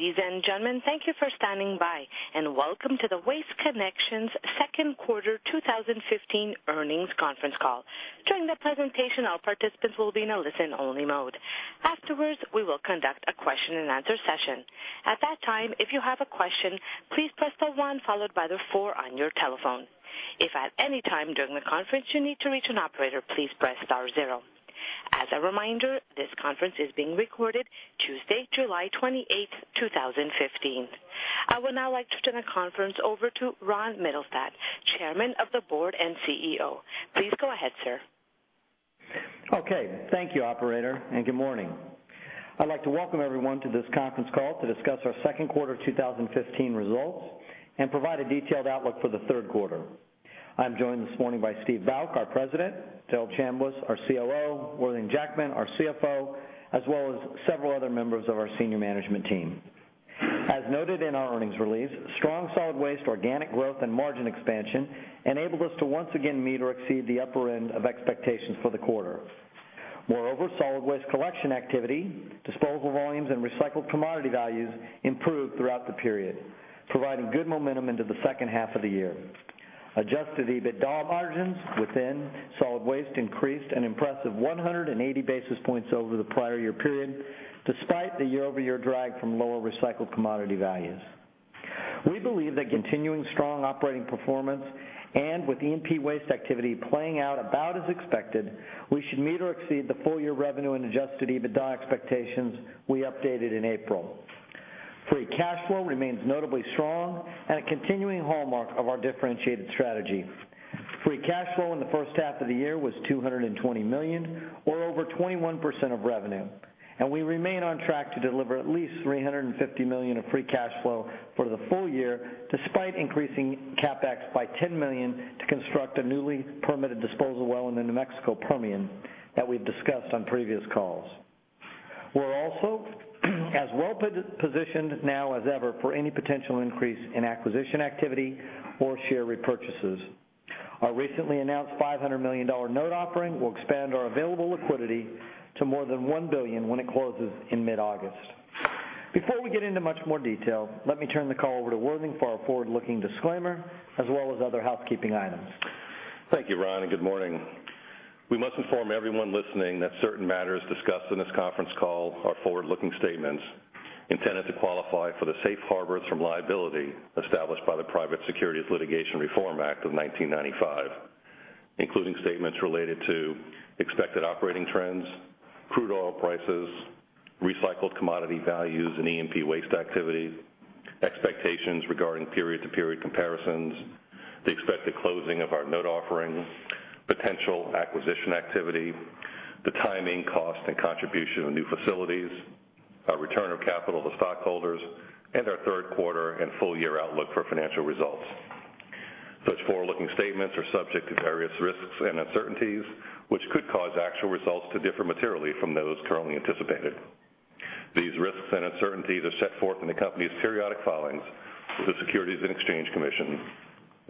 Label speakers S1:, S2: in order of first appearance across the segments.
S1: Ladies and gentlemen, thank you for standing by and welcome to the Waste Connections Second Quarter 2015 Earnings Conference Call. During the presentation, all participants will be in a listen-only mode. Afterwards, we will conduct a question-and-answer session. At that time, if you have a question, please press the one followed by the four on your telephone. If at any time during the conference you need to reach an operator, please press star zero. As a reminder, this conference is being recorded Tuesday, July 28, 2015. I would now like to turn the conference over to Ron Mittelstaedt, Chairman of the Board and CEO. Please go ahead, sir.
S2: Okay. Thank you, operator, and good morning. I'd like to welcome everyone to this conference call to discuss our second quarter 2015 results and provide a detailed outlook for the third quarter. I'm joined this morning by Steve Bouck, our President, Darrell Chambliss, our COO, Worthing Jackman, our CFO, as well as several other members of our senior management team. As noted in our earnings release, strong solid waste, organic growth, and margin expansion enabled us to once again meet or exceed the upper end of expectations for the quarter. Moreover, solid waste collection activity, disposal volumes, and recycled commodity values improved throughout the period, providing good momentum into the second half of the year. Adjusted EBITDA margins within solid waste increased an impressive 180 basis points over the prior year period, despite the year-over-year drag from lower recycled commodity values. We believe that continuing strong operating performance and with E&P waste activity playing out about as expected, we should meet or exceed the full-year revenue and adjusted EBITDA expectations we updated in April. Free cash flow remains notably strong and a continuing hallmark of our differentiated strategy. Free cash flow in the first half of the year was $220 million or over 21% of revenue, and we remain on track to deliver at least $350 million of free cash flow for the full year, despite increasing CapEx by $10 million to construct a newly permitted disposal well in the New Mexico Permian that we've discussed on previous calls. We're also as well-positioned now as ever for any potential increase in acquisition activity or share repurchases. Our recently announced $500 million note offering will expand our available liquidity to more than $1 billion when it closes in mid-August. Before we get into much more detail, let me turn the call over to Worthing for our forward-looking disclaimer, as well as other housekeeping items.
S3: Thank you, Ron, and good morning. We must inform everyone listening that certain matters discussed in this conference call are forward-looking statements intended to qualify for the safe harbors from liability established by the Private Securities Litigation Reform Act of 1995, including statements related to expected operating trends, crude oil prices, recycled commodity values and E&P waste activity, expectations regarding period-to-period comparisons, the expected closing of our note offering, potential acquisition activity, the timing, cost, and contribution of new facilities, our return of capital to stockholders, and our third quarter and full-year outlook for financial results. Such forward-looking statements are subject to various risks and uncertainties, which could cause actual results to differ materially from those currently anticipated. These risks and uncertainties are set forth in the company's periodic filings with the Securities and Exchange Commission,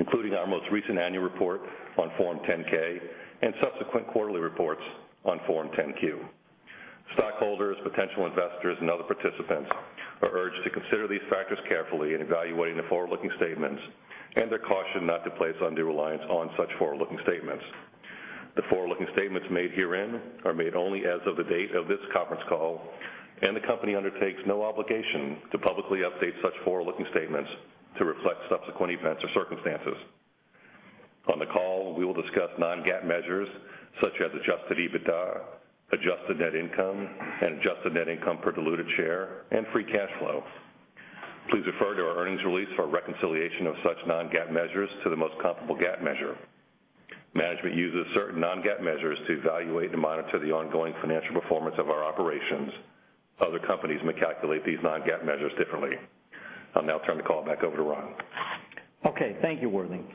S3: including our most recent annual report on Form 10-K and subsequent quarterly reports on Form 10-Q. Stockholders, potential investors, and other participants are urged to consider these factors carefully in evaluating the forward-looking statements. They're cautioned not to place undue reliance on such forward-looking statements. The forward-looking statements made herein are made only as of the date of this conference call. The company undertakes no obligation to publicly update such forward-looking statements to reflect subsequent events or circumstances. On the call, we will discuss non-GAAP measures such as adjusted EBITDA, adjusted net income, and adjusted net income per diluted share, and free cash flow. Please refer to our earnings release for a reconciliation of such non-GAAP measures to the most comparable GAAP measure. Management uses certain non-GAAP measures to evaluate and monitor the ongoing financial performance of our operations. Other companies may calculate these non-GAAP measures differently. I'll now turn the call back over to Ron.
S2: Okay. Thank you, Worthing.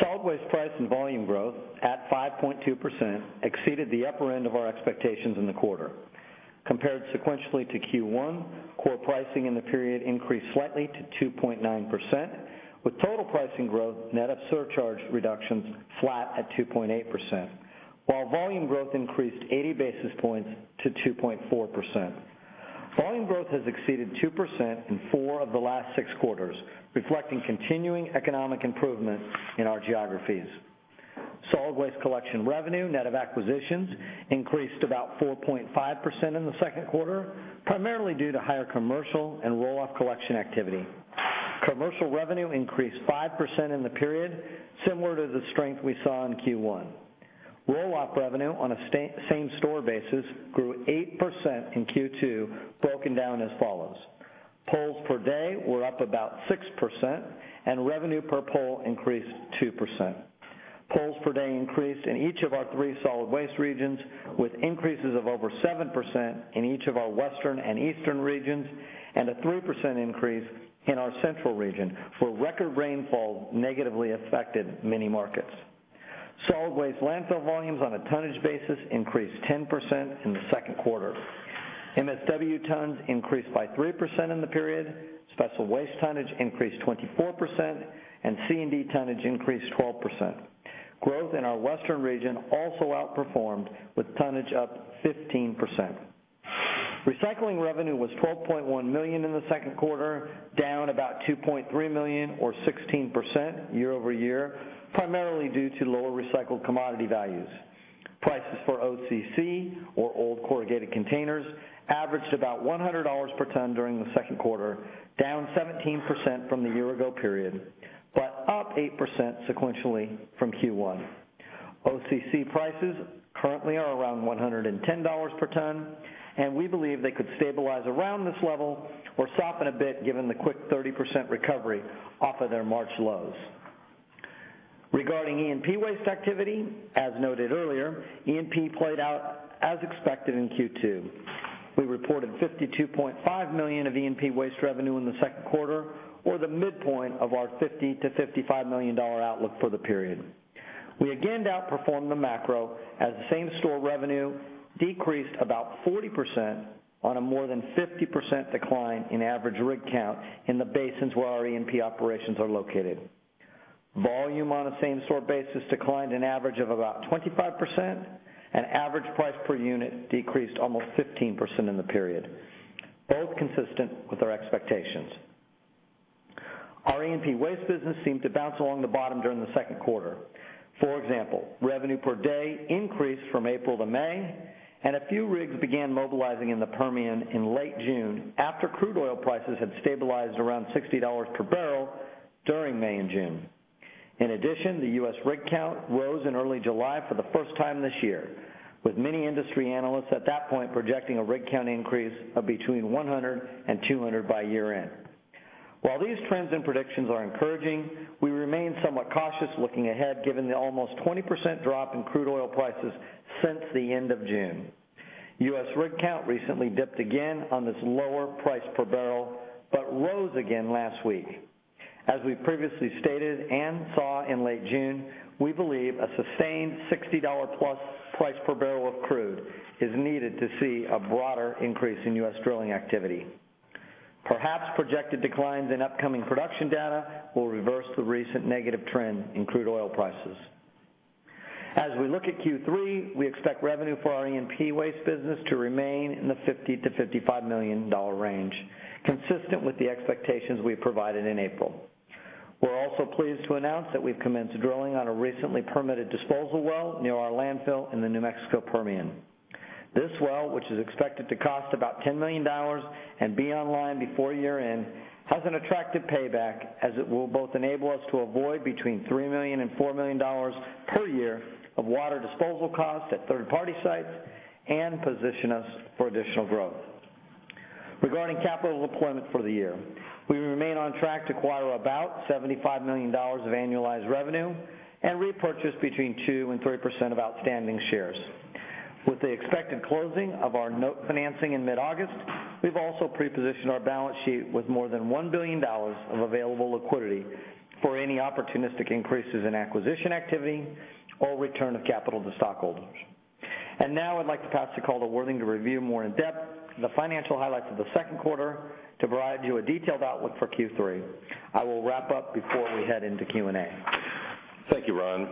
S2: Solid waste price and volume growth at 5.2% exceeded the upper end of our expectations in the quarter. Compared sequentially to Q1, core pricing in the period increased slightly to 2.9%, with total pricing growth net of surcharge reductions flat at 2.8%, while volume growth increased 80 basis points to 2.4%. Volume growth has exceeded 2% in four of the last six quarters, reflecting continuing economic improvement in our geographies. Solid waste collection revenue, net of acquisitions, increased about 4.5% in the second quarter, primarily due to higher commercial and roll-off collection activity. Commercial revenue increased 5% in the period, similar to the strength we saw in Q1. Roll-off revenue on a same-store basis grew 8% in Q2, broken down as follows. Pulls per day were up about 6%, and revenue per pull increased 2%. Pulls per day increased in each of our three solid waste regions, with increases of over 7% in each of our Western and Eastern regions, and a 3% increase in our central region, where record rainfall negatively affected many markets. Solid waste landfill volumes on a tonnage basis increased 10% in the second quarter. MSW tons increased by 3% in the period, special waste tonnage increased 24%, and C&D tonnage increased 12%. Growth in our Western region also outperformed with tonnage up 15%. Recycling revenue was $12.1 million in the second quarter, down about $2.3 million or 16% year-over-year, primarily due to lower recycled commodity values. Prices for OCC, or old corrugated containers, averaged about $100 per ton during the second quarter, down 17% from the year ago period, but up 8% sequentially from Q1. OCC prices currently are around $110 per ton. We believe they could stabilize around this level or soften a bit given the quick 30% recovery off of their March lows. Regarding E&P waste activity, as noted earlier, E&P played out as expected in Q2. We reported $52.5 million of E&P waste revenue in the second quarter, or the midpoint of our $50 million-$55 million outlook for the period. We again outperformed the macro as the same store revenue decreased about 40% on a more than 50% decline in average rig count in the basins where our E&P operations are located. Volume on a same store basis declined an average of about 25%, and average price per unit decreased almost 15% in the period, both consistent with our expectations. Our E&P waste business seemed to bounce along the bottom during the second quarter. For example, revenue per day increased from April to May. A few rigs began mobilizing in the Permian in late June after crude oil prices had stabilized around $60 per barrel during May and June. In addition, the U.S. rig count rose in early July for the first time this year, with many industry analysts at that point projecting a rig count increase of between 100-200 by year end. While these trends and predictions are encouraging, we remain somewhat cautious looking ahead, given the almost 20% drop in crude oil prices since the end of June. U.S. rig count recently dipped again on this lower price per barrel, but rose again last week. As we previously stated and saw in late June, we believe a sustained $60 plus price per barrel of crude is needed to see a broader increase in U.S. drilling activity. Perhaps projected declines in upcoming production data will reverse the recent negative trend in crude oil prices. As we look at Q3, we expect revenue for our E&P waste business to remain in the $50 million-$55 million range, consistent with the expectations we provided in April. We're also pleased to announce that we've commenced drilling on a recently permitted disposal well near our landfill in the New Mexico Permian. This well, which is expected to cost about $10 million and be online before year end, has an attractive payback as it will both enable us to avoid between $3 million-$4 million per year of water disposal costs at third-party sites and position us for additional growth. Regarding capital deployment for the year, we remain on track to acquire about $75 million of annualized revenue and repurchase between 2%-3% of outstanding shares. With the expected closing of our note financing in mid-August, we've also pre-positioned our balance sheet with more than $1 billion of available liquidity for any opportunistic increases in acquisition activity or return of capital to stockholders. Now I'd like to pass the call to Worthing to review more in depth the financial highlights of the second quarter to provide you a detailed outlook for Q3. I will wrap up before we head into Q&A.
S3: Thank you, Ron.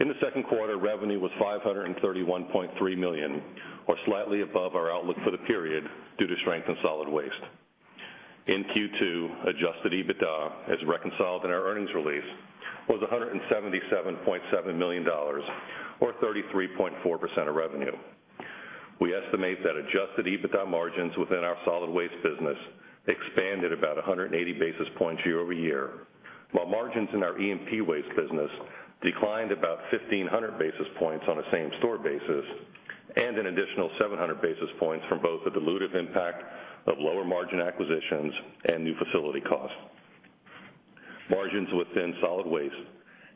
S3: In the second quarter, revenue was $531.3 million, or slightly above our outlook for the period due to strength in solid waste. In Q2, adjusted EBITDA, as reconciled in our earnings release, was $177.7 million or 33.4% of revenue. We estimate that adjusted EBITDA margins within our solid waste business expanded about 180 basis points year-over-year. While margins in our E&P waste business declined about 1,500 basis points on a same store basis and an additional 700 basis points from both the dilutive impact of lower margin acquisitions and new facility costs. Margins within solid waste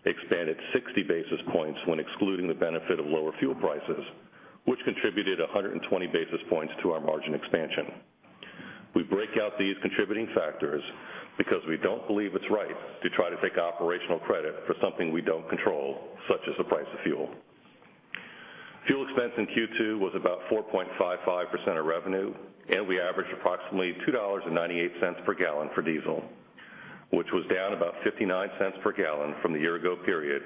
S3: expanded 60 basis points when excluding the benefit of lower fuel prices, which contributed 120 basis points to our margin expansion. We break out these contributing factors because we don't believe it's right to try to take operational credit for something we don't control, such as the price of fuel. Fuel expense in Q2 was about 4.55% of revenue, and we averaged approximately $2.98 per gallon for diesel, which was down about $0.59 per gallon from the year ago period,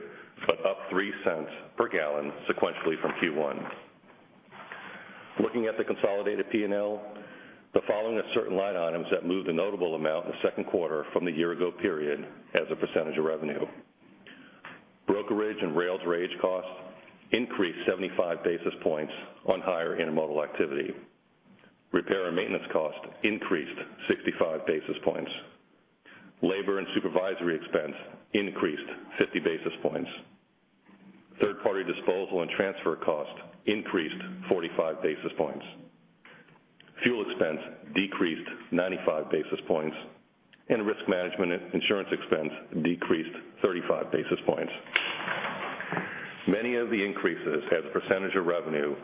S3: but up $0.03 per gallon sequentially from Q1. Looking at the consolidated P&L, the following are certain line items that moved a notable amount in the second quarter from the year ago period as a percentage of revenue. Brokerage and rail drayage costs increased 75 basis points on higher intermodal activity. Repair and maintenance cost increased 65 basis points. Labor and supervisory expense increased 50 basis points. Third-party disposal and transfer cost increased 45 basis points. Fuel expense decreased 95 basis points, and risk management insurance expense decreased 35 basis points. Many of the increases as a percentage of revenue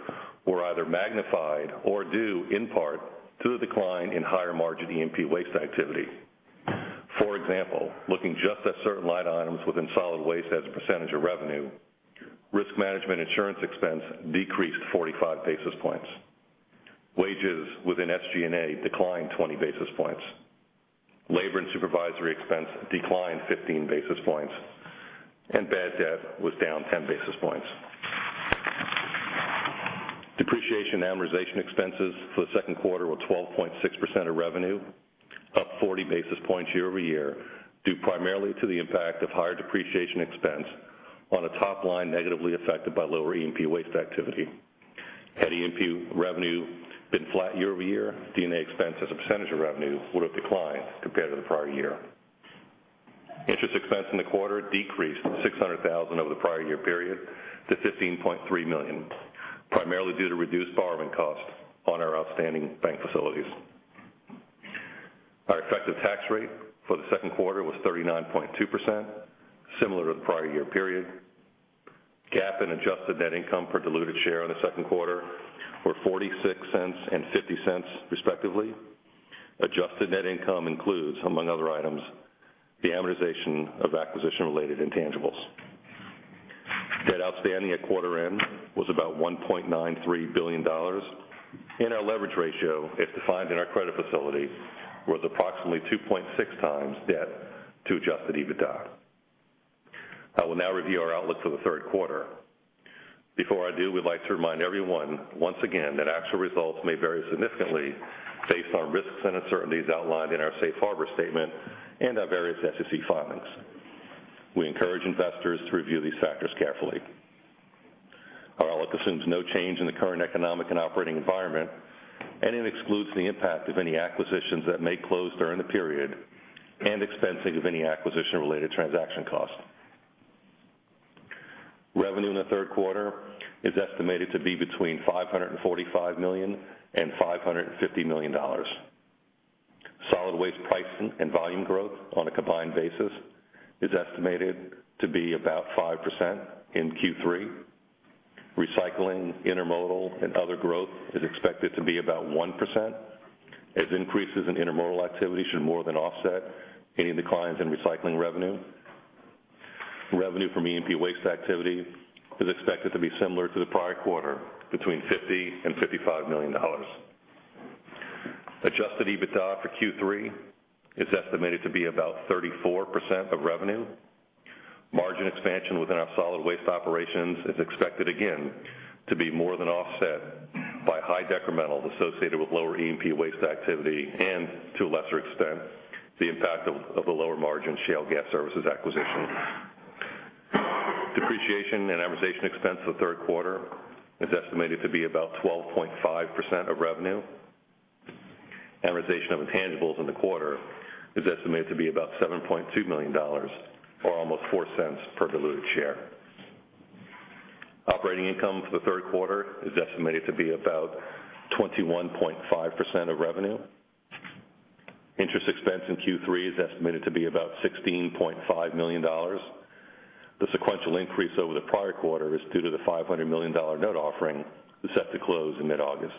S3: were either magnified or due in part to the decline in higher margin E&P waste activity. For example, looking just at certain line items within solid waste as a percentage of revenue, risk management insurance expense decreased 45 basis points. Wages within SG&A declined 20 basis points. Labor and supervisory expense declined 15 basis points, and bad debt was down 10 basis points. Depreciation and amortization expenses for the second quarter were 12.6% of revenue, up 40 basis points year-over-year due primarily to the impact of higher depreciation expense on a top line negatively affected by lower E&P waste activity. Had E&P revenue been flat year-over-year, D&A expense as a percentage of revenue would have declined compared to the prior year. Interest expense in the quarter decreased $600,000 over the prior year period to $15.3 million, primarily due to reduced borrowing costs on our outstanding bank facilities. Our effective tax rate for the second quarter was 39.2%, similar to the prior year period. GAAP and adjusted net income per diluted share in the second quarter were $0.46 and $0.50 respectively. Adjusted net income includes, among other items, the amortization of acquisition-related intangibles. Debt outstanding at quarter end was about $1.93 billion, and our leverage ratio, as defined in our credit facility, was approximately 2.6 times debt to adjusted EBITDA. I will now review our outlook for the third quarter. Before I do, we'd like to remind everyone, once again, that actual results may vary significantly based on risks and uncertainties outlined in our safe harbor statement and our various SEC filings. We encourage investors to review these factors carefully. Our outlook assumes no change in the current economic and operating environment, and it excludes the impact of any acquisitions that may close during the period and expensing of any acquisition-related transaction costs. Revenue in the third quarter is estimated to be between $545 million-$550 million. Solid waste pricing and volume growth on a combined basis is estimated to be about 5% in Q3. Recycling, intermodal, and other growth is expected to be about 1%, as increases in intermodal activity should more than offset any declines in recycling revenue. Revenue from E&P waste activity is expected to be similar to the prior quarter, between $50 million-$55 million. Adjusted EBITDA for Q3 is estimated to be about 34% of revenue. Margin expansion within our solid waste operations is expected again to be more than offset by high decrementals associated with lower E&P waste activity and, to a lesser extent, the impact of the lower-margin shale gas services acquisition. Depreciation and amortization expense for the third quarter is estimated to be about 12.5% of revenue. Amortization of intangibles in the quarter is estimated to be about $7.2 million or almost $0.04 per diluted share. Operating income for the third quarter is estimated to be about 21.5% of revenue. Interest expense in Q3 is estimated to be about $16.5 million. The sequential increase over the prior quarter is due to the $500 million note offering set to close in mid-August.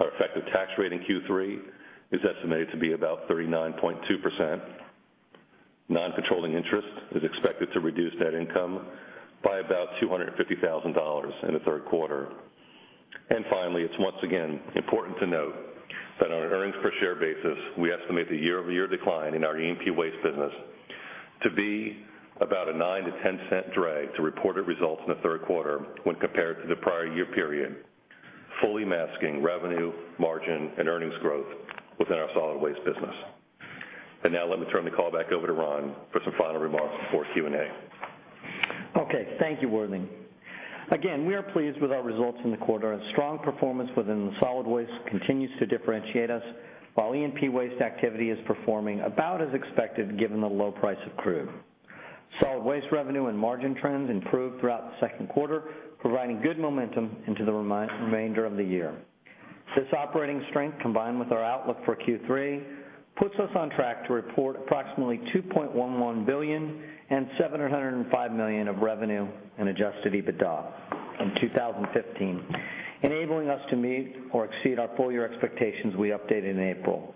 S3: Our effective tax rate in Q3 is estimated to be about 39.2%. Non-controlling interest is expected to reduce net income by about $250,000 in the third quarter. Finally, it's once again important to note that on an earnings per share basis, we estimate the year-over-year decline in our E&P waste business to be about a $0.09-$0.10 drag to reported results in the third quarter when compared to the prior year period, fully masking revenue, margin, and earnings growth within our solid waste business. Now let me turn the call back over to Ron for some final remarks before Q&A.
S2: Okay. Thank you, Worthing. We are pleased with our results in the quarter. Our strong performance within the solid waste continues to differentiate us, while E&P waste activity is performing about as expected given the low price of crude. Solid waste revenue and margin trends improved throughout the second quarter, providing good momentum into the remainder of the year. This operating strength, combined with our outlook for Q3, puts us on track to report approximately $2.11 billion and $705 million of revenue and adjusted EBITDA in 2015, enabling us to meet or exceed our full-year expectations we updated in April.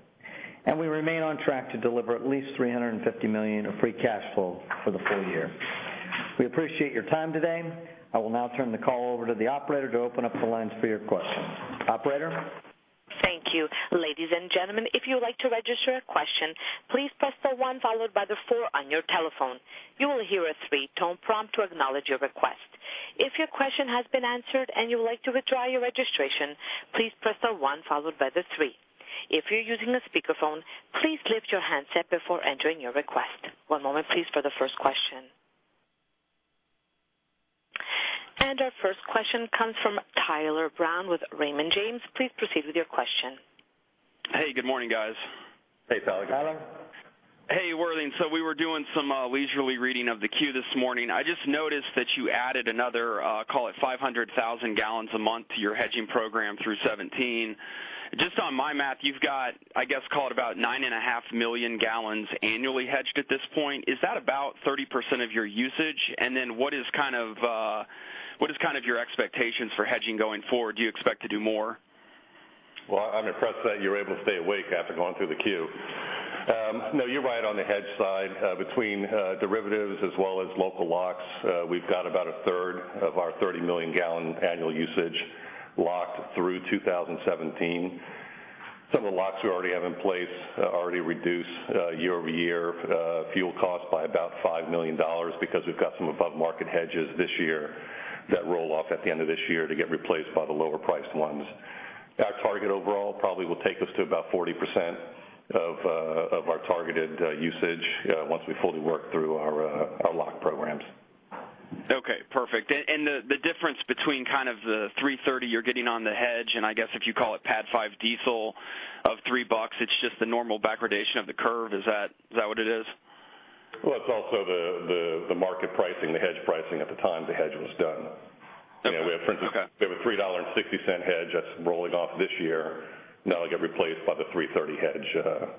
S2: We remain on track to deliver at least $350 million of free cash flow for the full year. We appreciate your time today. I will now turn the call over to the operator to open up the lines for your questions. Operator?
S1: Thank you. Ladies and gentlemen, if you would like to register a question, please press the one followed by the four on your telephone. You will hear a three-tone prompt to acknowledge your request. If your question has been answered and you would like to withdraw your registration, please press the one followed by the three. If you're using a speakerphone, please lift your handset before entering your request. One moment please for the first question. Our first question comes from Tyler Brown with Raymond James. Please proceed with your question.
S4: Hey, good morning, guys.
S3: Hey, Tyler.
S2: Hi.
S4: Hey, Worthing. We were doing some leisurely reading of the Q this morning. I just noticed that you added another, call it 500,000 gallons a month to your hedging program through 2017. Just on my math, you've got, I guess, call it about 9.5 million gallons annually hedged at this point. Is that about 30% of your usage? What is your expectation for hedging going forward? Do you expect to do more?
S3: Well, I'm impressed that you were able to stay awake after going through the Q. You're right on the hedge side. Between derivatives as well as local locks, we've got about a third of our 30 million-gallon annual usage locked through 2017. Some of the locks we already have in place already reduce year-over-year fuel costs by about $5 million because we've got some above-market hedges this year that roll off at the end of this year to get replaced by the lower-priced ones. Our target overall probably will take us to about 40% of our targeted usage once we fully work through our lock programs.
S4: Okay, perfect. The difference between the 330 you're getting on the hedge, and I guess if you call it PADD 5 diesel of $3, it's just the normal backwardation of the curve. Is that what it is?
S3: Well, it's also the market pricing, the hedge pricing at the time the hedge was done.
S4: Okay.
S3: We have, for instance, a $3.60 hedge that's rolling off this year, and that'll get replaced by the $3.30 hedge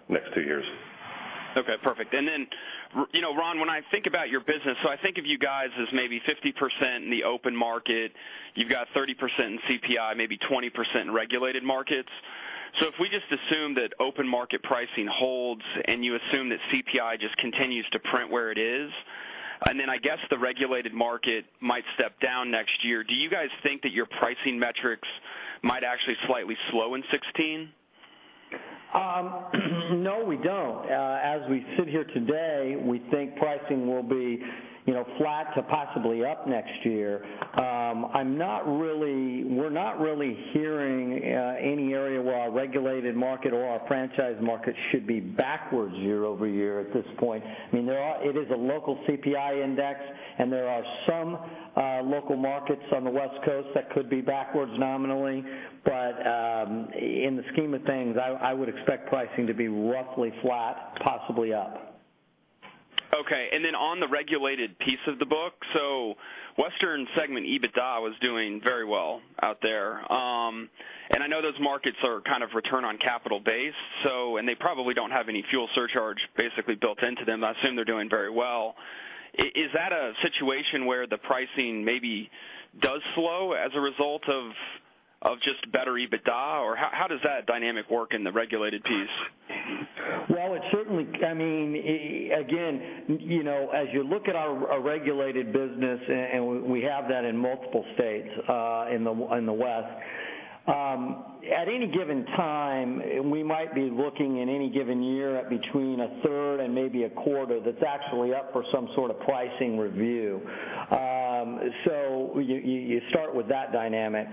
S3: next two years.
S4: Okay, perfect. Then, Ron, when I think about your business, I think of you guys as maybe 50% in the open market. You've got 30% in CPI, maybe 20% in regulated markets. If we just assume that open market pricing holds and you assume that CPI just continues to print where it is, then I guess the regulated market might step down next year, do you guys think that your pricing metrics might actually slightly slow in 2016?
S2: No, we don't. As we sit here today, we think pricing will be flat to possibly up next year. We're not really hearing any area where our regulated market or our franchise market should be backwards year-over-year at this point. It is a local CPI index, there are some local markets on the West Coast that could be backwards nominally. In the scheme of things, I would expect pricing to be roughly flat, possibly up.
S4: Okay. Then on the regulated piece of the book. Western segment, EBITDA was doing very well out there. I know those markets are return on capital base, they probably don't have any fuel surcharge basically built into them. I assume they're doing very well. Is that a situation where the pricing maybe does slow as a result of just better EBITDA? How does that dynamic work in the regulated piece?
S2: Well, again, as you look at our regulated business, and we have that in multiple states in the West. At any given time, we might be looking in any given year at between a third and maybe a quarter that's actually up for some sort of pricing review. You start with that dynamic.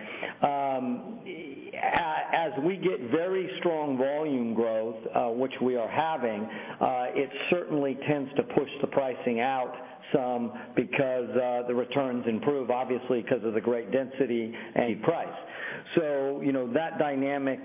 S2: As we get very strong volume growth, which we are having, it certainly tends to push the pricing out some because the returns improve, obviously, because of the great density and price. That dynamic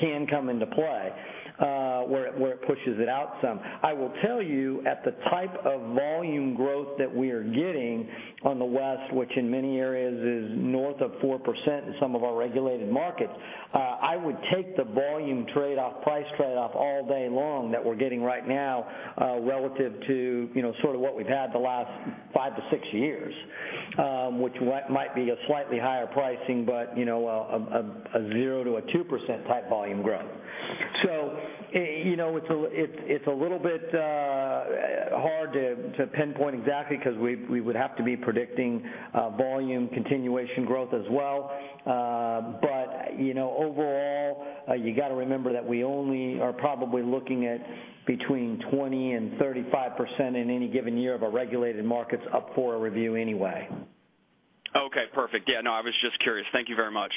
S2: can come into play, where it pushes it out some. I will tell you, at the type of volume growth that we are getting on the West, which in many areas is north of 4% in some of our regulated markets, I would take the volume trade-off, price trade-off all day long that we're getting right now relative to what we've had the last five to six years. Which might be a slightly higher pricing, but a 0% to a 2% type volume growth. It's a little bit hard to pinpoint exactly because we would have to be predicting volume continuation growth as well. Overall, you got to remember that we only are probably looking at between 20% and 35% in any given year of our regulated markets up for a review anyway.
S4: Okay, perfect. Yeah, no, I was just curious. Thank you very much.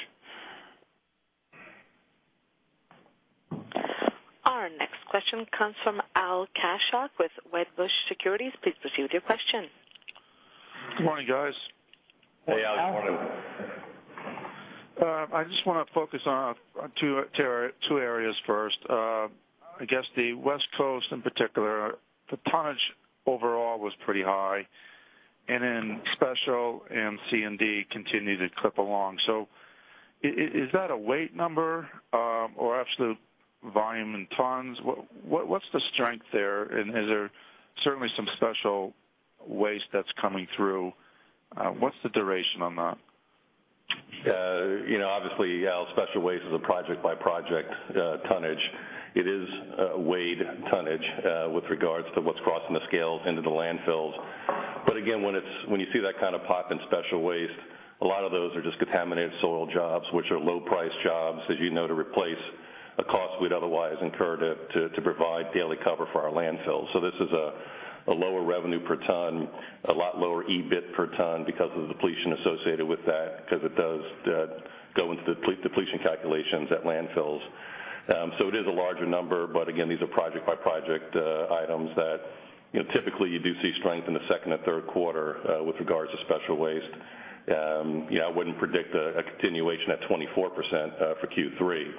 S1: Our next question comes from Al Kaschalk with Wedbush Securities. Please proceed with your question.
S5: Good morning, guys.
S3: Hey, Al. Good morning.
S2: Hey, Al.
S5: I just want to focus on two areas first. I guess the West Coast in particular, the tonnage overall was pretty high, and then special and C&D continued to clip along. Is that a weight number or absolute volume in tons? What's the strength there, and is there certainly some special waste that's coming through? What's the duration on that?
S3: Al, special waste is a project-by-project tonnage. It is weighed tonnage with regards to what's crossing the scales into the landfills. Again, when you see that kind of pop in special waste, a lot of those are just contaminated soil jobs, which are low-price jobs, as you know, to replace a cost we'd otherwise incur to provide daily cover for our landfills. This is a lower revenue per ton, a lot lower EBIT per ton because of the depletion associated with that, because it does go into the depletion calculations at landfills. It is a larger number, but again, these are project-by-project items that typically you do see strength in the second or third quarter with regards to special waste. I wouldn't predict a continuation at 24% for Q3.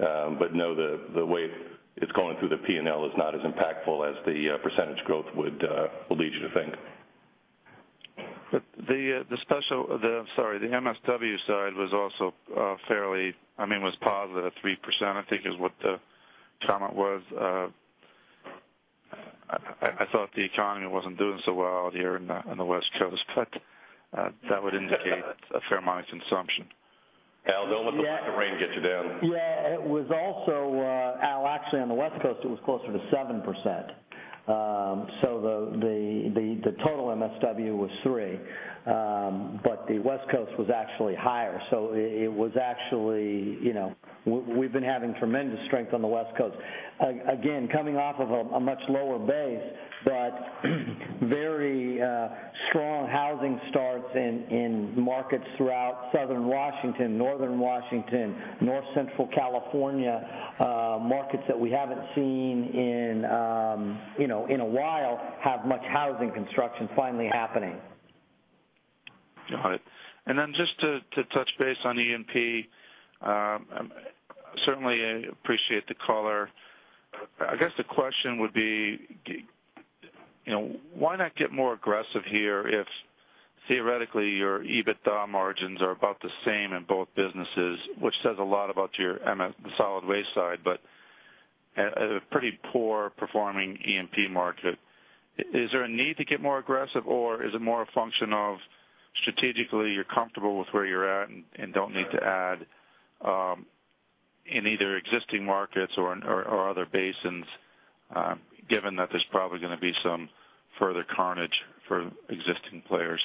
S3: Know the way it's going through the P&L is not as impactful as the % growth would lead you to think.
S5: The special Sorry, the MSW side was also fairly positive, 3%, I think is what the comment was. I thought the economy wasn't doing so well out here on the West Coast, but that would indicate a fair amount of consumption.
S3: Al, don't let the lack of rain get you down.
S2: Al, actually, on the West Coast, it was closer to 7%. The total MSW was three, but the West Coast was actually higher. We've been having tremendous strength on the West Coast. Again, coming off of a much lower base, but very strong housing starts in markets throughout Southern Washington, Northern Washington, North Central California. Markets that we haven't seen in a while have much housing construction finally happening.
S5: Got it. Just to touch base on E&P, certainly appreciate the color. I guess the question would be, why not get more aggressive here if theoretically your EBITDA margins are about the same in both businesses, which says a lot about your the solid waste side, but at a pretty poor performing E&P market. Is there a need to get more aggressive, or is it more a function of strategically you're comfortable with where you're at and don't need to add in either existing markets or other basins, given that there's probably going to be some further carnage for existing players?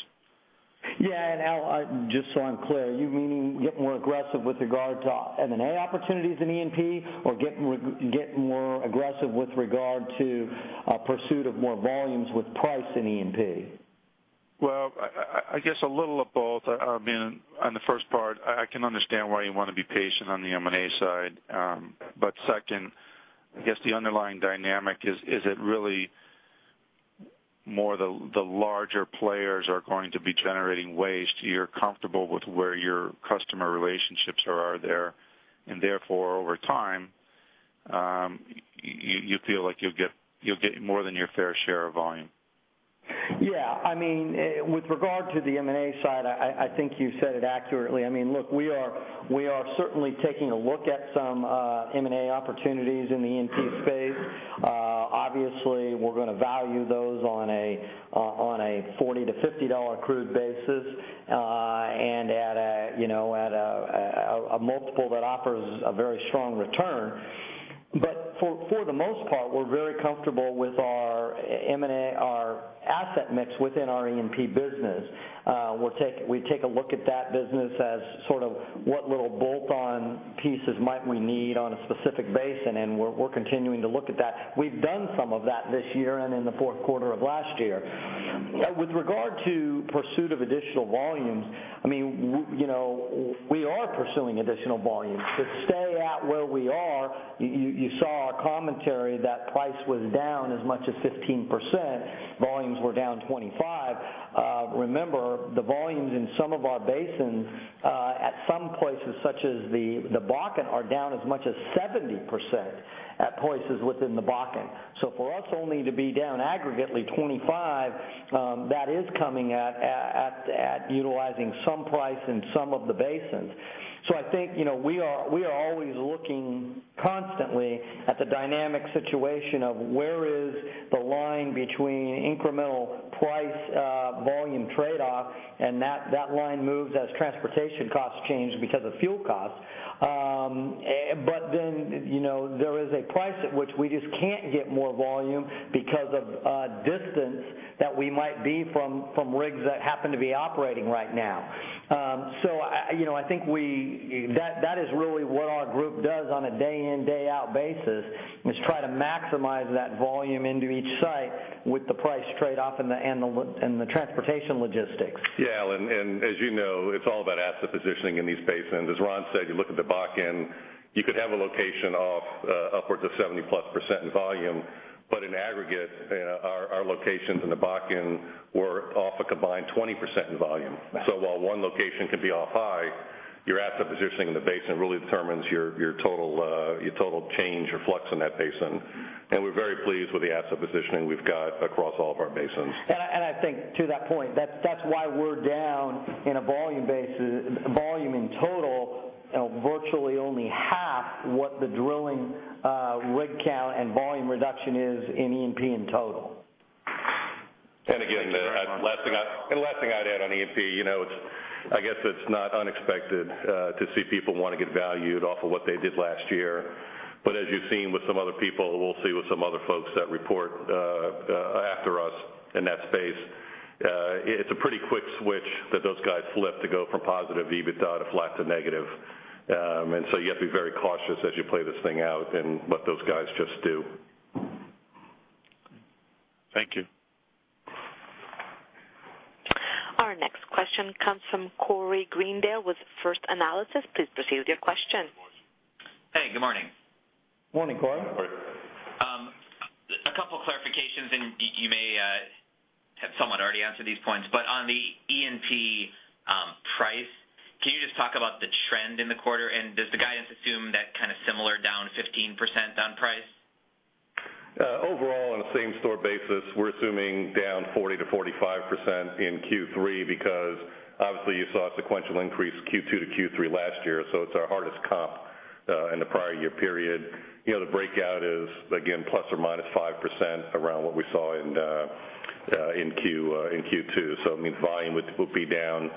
S2: Al, just so I'm clear, you meaning get more aggressive with regard to M&A opportunities in E&P or get more aggressive with regard to pursuit of more volumes with price in E&P?
S5: Well, I guess a little of both. On the first part, I can understand why you want to be patient on the M&A side. Second, I guess the underlying dynamic is it really more the larger players are going to be generating waste, you're comfortable with where your customer relationships are there, and therefore, over time, you feel like you'll get more than your fair share of volume.
S2: Yeah. With regard to the M&A side, I think you said it accurately. Look, we are certainly taking a look at some M&A opportunities in the E&P space. Obviously, we're going to value those on a $40-$50 crude basis, and at a multiple that offers a very strong return. For the most part, we're very comfortable with our asset mix within our E&P business. We take a look at that business as what little bolt-on pieces might we need on a specific basin, and we're continuing to look at that. We've done some of that this year and in the fourth quarter of last year. With regard to pursuit of additional volumes, we are pursuing additional volumes. To stay at where we are, you saw our commentary that price was down as much as 15%, volumes were down 25%. Remember, the volumes in some of our basins, at some places such as the Bakken, are down as much as 70% at places within the Bakken. For us only to be down aggregately 25%, that is coming at utilizing some price in some of the basins. I think, we are always looking constantly at the dynamic situation of where is the line between incremental price volume trade-off, and that line moves as transportation costs change because of fuel costs. There is a price at which we just can't get more volume because of distance that we might be from rigs that happen to be operating right now. I think that is really what our group does on a day in, day out basis, is try to maximize that volume into each site with the price trade-off and the transportation logistics.
S3: Yeah. As you know, it's all about asset positioning in these basins. As Ron said, you look at the Bakken, you could have a location off upwards of 70-plus % in volume. In aggregate, our locations in the Bakken were off a combined 20% in volume. While one location can be off high, your asset positioning in the basin really determines your total change or flux in that basin. We're very pleased with the asset positioning we've got across all of our basins.
S2: I think to that point, that's why we're down in a volume in total, virtually only half what the drilling rig count and volume reduction is in E&P in total.
S3: The last thing I'd add on E&P, I guess it's not unexpected to see people want to get valued off of what they did last year. As you've seen with some other people, we'll see with some other folks that report after us in that space. It's a pretty quick switch that those guys flip to go from positive EBITDA to flat to negative. You have to be very cautious as you play this thing out and let those guys just do.
S5: Thank you.
S1: Our next question comes from Corey Greendale with First Analysis. Please proceed with your question.
S6: Hey, good morning.
S2: Morning, Corey.
S6: A couple clarifications, you may have somewhat already answered these points, on the E&P price, can you just talk about the trend in the quarter? Does the guidance assume that kind of similar down 15% on price?
S3: Overall, on a same-store basis, we're assuming down 40%-45% in Q3 because obviously you saw a sequential increase Q2 to Q3 last year, it's our hardest comp in the prior year period. The breakout is, again, ±5% around what we saw in Q2. It means volume would be down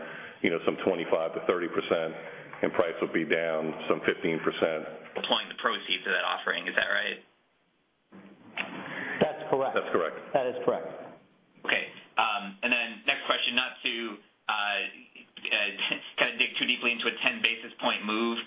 S3: some 25%-30%, and price would be down some 15%.
S6: Deploying the proceeds of that offering, is that right?
S2: That's correct.
S3: That's correct.
S2: That is correct.
S6: Okay. Next question, not to dig too deeply into a 10 basis point move,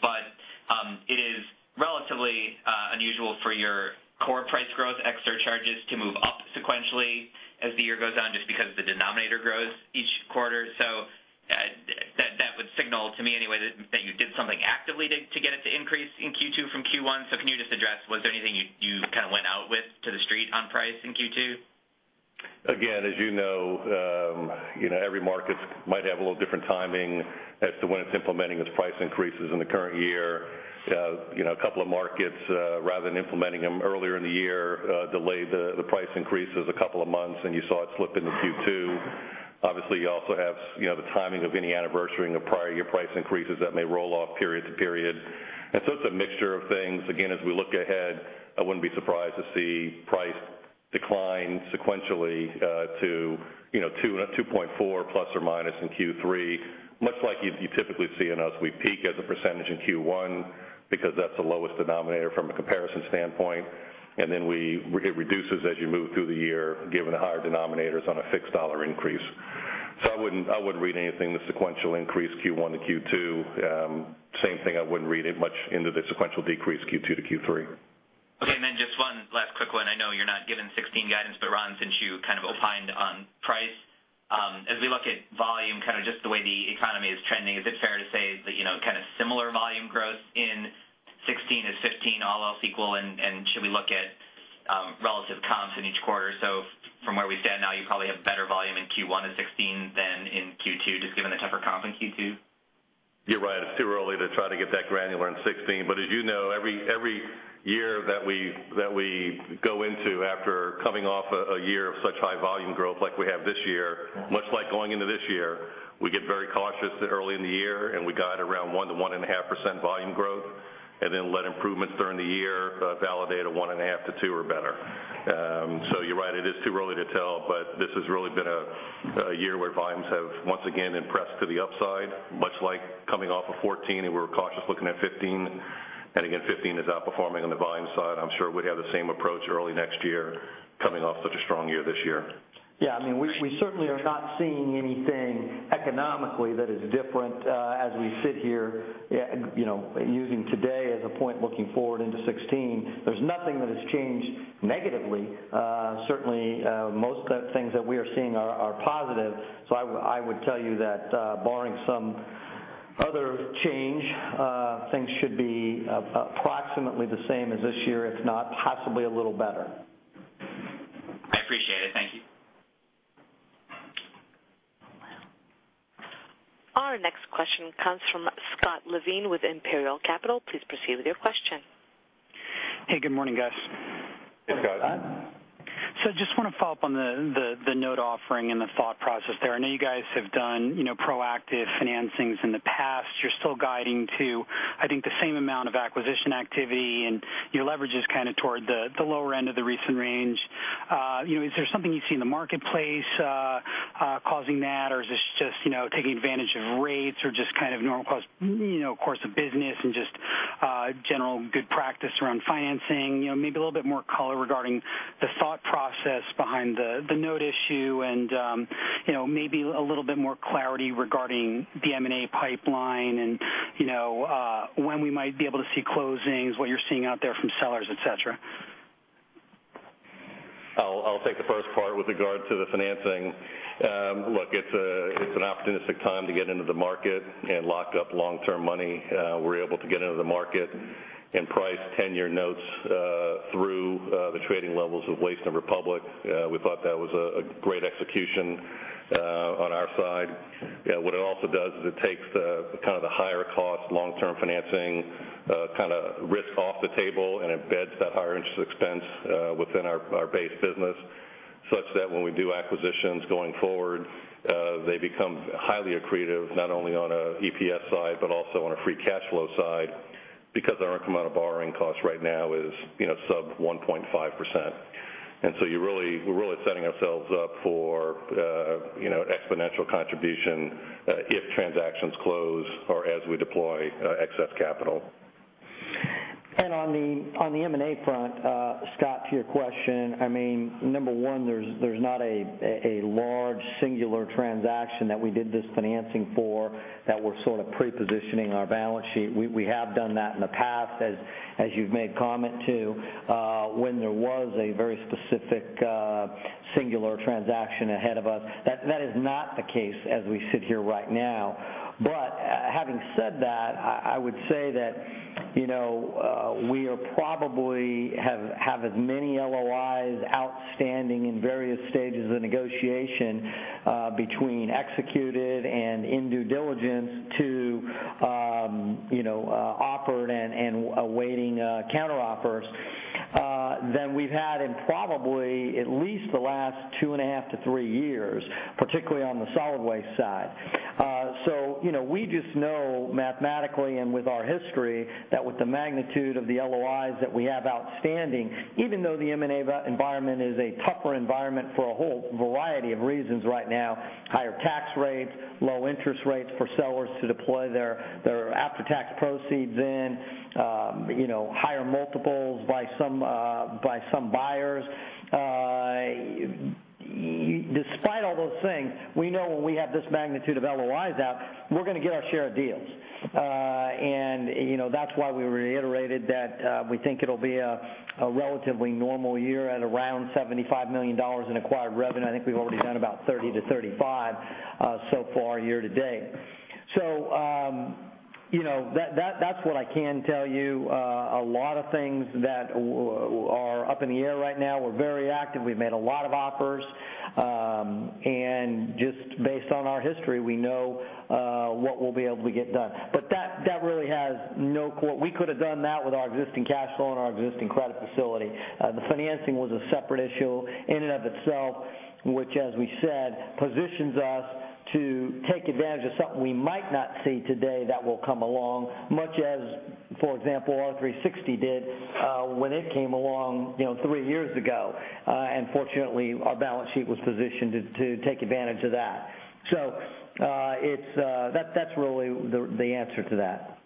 S6: it is relatively unusual for your core price growth extra charges to move up sequentially as the year goes on, just because the denominator grows each quarter. That would signal, to me anyway, that you did something actively to get it to increase in Q2 from Q1. Can you just address, was there anything you went out with to the street on price in Q2?
S3: As you know every market might have a little different timing as to when it's implementing its price increases in the current year. A couple of markets, rather than implementing them earlier in the year, delayed the price increases a couple of months, and you saw it slip into Q2. Obviously, you also have the timing of any anniversary and the prior year price increases that may roll off period to period. It's a mixture of things. As we look ahead, I wouldn't be surprised to see price decline sequentially to 2.4 ± in Q3. Much like you'd typically see in us, we peak as a percentage in Q1 because that's the lowest denominator from a comparison standpoint. Then it reduces as you move through the year, given the higher denominators on a fixed dollar increase. I wouldn't read anything into sequential increase Q1 to Q2. Same thing, I wouldn't read much into the sequential decrease Q2 to Q3.
S6: Okay, just one last quick one. I know you're not giving 2016 guidance, but Ron, since you opined on price, as we look at volume, just the way the economy is trending, is it fair to say that similar volume growth in 2016 as 2015, all else equal, and should we look at relative comps in each quarter? From where we stand now, you probably have better volume in Q1 of 2016 than in Q2, just given the tougher comp in Q2.
S3: You're right. It's too early to try to get that granular in 2016. As you know, every year that we go into after coming off a year of such high volume growth like we have this year, much like going into this year, we get very cautious early in the year, and we guide around 1%-1.5% volume growth, and then let improvements during the year validate a 1.5-2 or better. You're right. It is too early to tell, but this has really been a year where volumes have once again impressed to the upside, much like coming off of 2014. We were cautious looking at 2015. Again, 2015 is outperforming on the volume side. I'm sure we'd have the same approach early next year coming off such a strong year this year.
S2: Yeah, we certainly are not seeing anything economically that is different as we sit here, using today as a point looking forward into 2016. There's nothing that has changed negatively. Certainly, most of the things that we are seeing are positive. I would tell you that, barring some other change, things should be approximately the same as this year, if not possibly a little better.
S6: I appreciate it. Thank you.
S1: Our next question comes from Scott Levine with Imperial Capital. Please proceed with your question.
S7: Hey, good morning, guys.
S3: Hey, Scott.
S2: Hi.
S7: I just want to follow up on the note offering and the thought process there. I know you guys have done proactive financings in the past. You're still guiding to, I think, the same amount of acquisition activity, and your leverage is toward the lower end of the recent range. Is there something you see in the marketplace causing that, or is this just taking advantage of rates or just normal course of business and just general good practice around financing? Maybe a little bit more color regarding the thought process behind the note issue and maybe a little bit more clarity regarding the M&A pipeline and when we might be able to see closings, what you're seeing out there from sellers, et cetera.
S3: I'll take the first part with regard to the financing. Look, it's an opportunistic time to get into the market and lock up long-term money. We're able to get into the market and price 10-year notes through the trading levels with Waste and Republic. We thought that was a great execution on our side. What it also does is it takes the higher cost, long-term financing risk off the table and embeds that higher interest expense within our base business, such that when we do acquisitions going forward, they become highly accretive, not only on an EPS side, but also on a free cash flow side, because our amount of borrowing cost right now is sub 1.5%. We're really setting ourselves up for exponential contribution if transactions close or as we deploy excess capital.
S2: On the M&A front, Scott, to your question, number 1, there's not a large singular transaction that we did this financing for that we're pre-positioning our balance sheet. We have done that in the past, as you've made comment to, when there was a very specific singular transaction ahead of us. That is not the case as we sit here right now. Having said that, I would say that we probably have as many LOIs outstanding in various stages of negotiation between executed and in due diligence to offered and awaiting counteroffers than we've had in probably at least the last two and a half to three years, particularly on the solid waste side. We just know mathematically and with our history, that with the magnitude of the LOIs that we have outstanding, even though the M&A environment is a tougher environment for a whole variety of reasons right now, higher tax rates, low interest rates for sellers to deploy their after-tax proceeds in, higher multiples by some buyers. Despite all those things, we know when we have this magnitude of LOIs out, we're going to get our share of deals. That's why we reiterated that we think it'll be a relatively normal year at around $75 million in acquired revenue. I think we've already done about 30 to 35 so far year to date. That's what I can tell you. A lot of things that are up in the air right now. We're very active. We've made a lot of offers. Just based on our history, we know what we'll be able to get done. That really has no core. We could have done that with our existing cash flow and our existing credit facility. The financing was a separate issue in and of itself, which as we said, positions us to take advantage of something we might not see today that will come along much as, for example, R360 did when it came along three years ago. Fortunately, our balance sheet was positioned to take advantage of that. That's really the answer to that.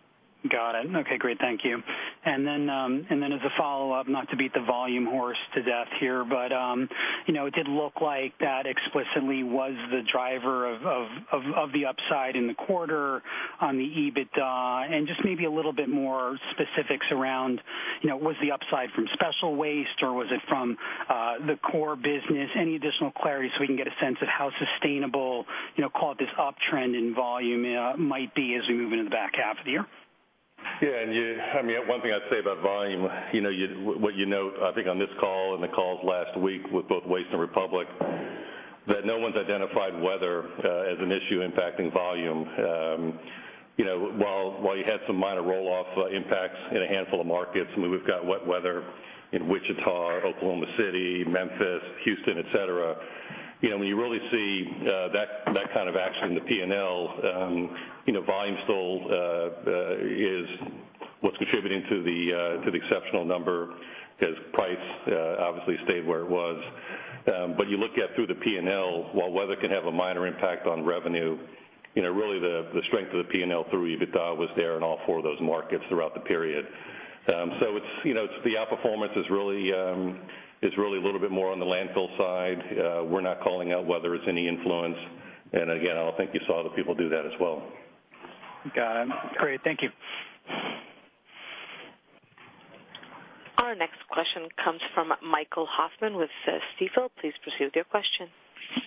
S7: Got it. Okay, great. Thank you. Then, as a follow-up, not to beat the volume horse to death here, but it did look like that explicitly was the driver of the upside in the quarter on the EBITDA. Just maybe a little bit more specifics around, was the upside from special waste or was it from the core business? Any additional clarity so we can get a sense of how sustainable, call it this uptrend in volume might be as we move into the back half of the year?
S3: One thing I'd say about volume, what you note, I think on this call and the calls last week with both Waste and Republic, that no one's identified weather as an issue impacting volume. While you had some minor roll-off impacts in a handful of markets, I mean, we've got wet weather in Wichita, Oklahoma City, Memphis, Houston, et cetera. When you really see that kind of action in the P&L, volume still is what's contributing to the exceptional number because price obviously stayed where it was. You look at through the P&L, while weather can have a minor impact on revenue, really the strength of the P&L through EBITDA was there in all four of those markets throughout the period. The outperformance is really a little bit more on the landfill side. We're not calling out whether it's any influence. Again, I think you saw the people do that as well.
S7: Got it. Great. Thank you.
S1: Our next question comes from Michael Hoffman with Stifel. Please proceed with your question.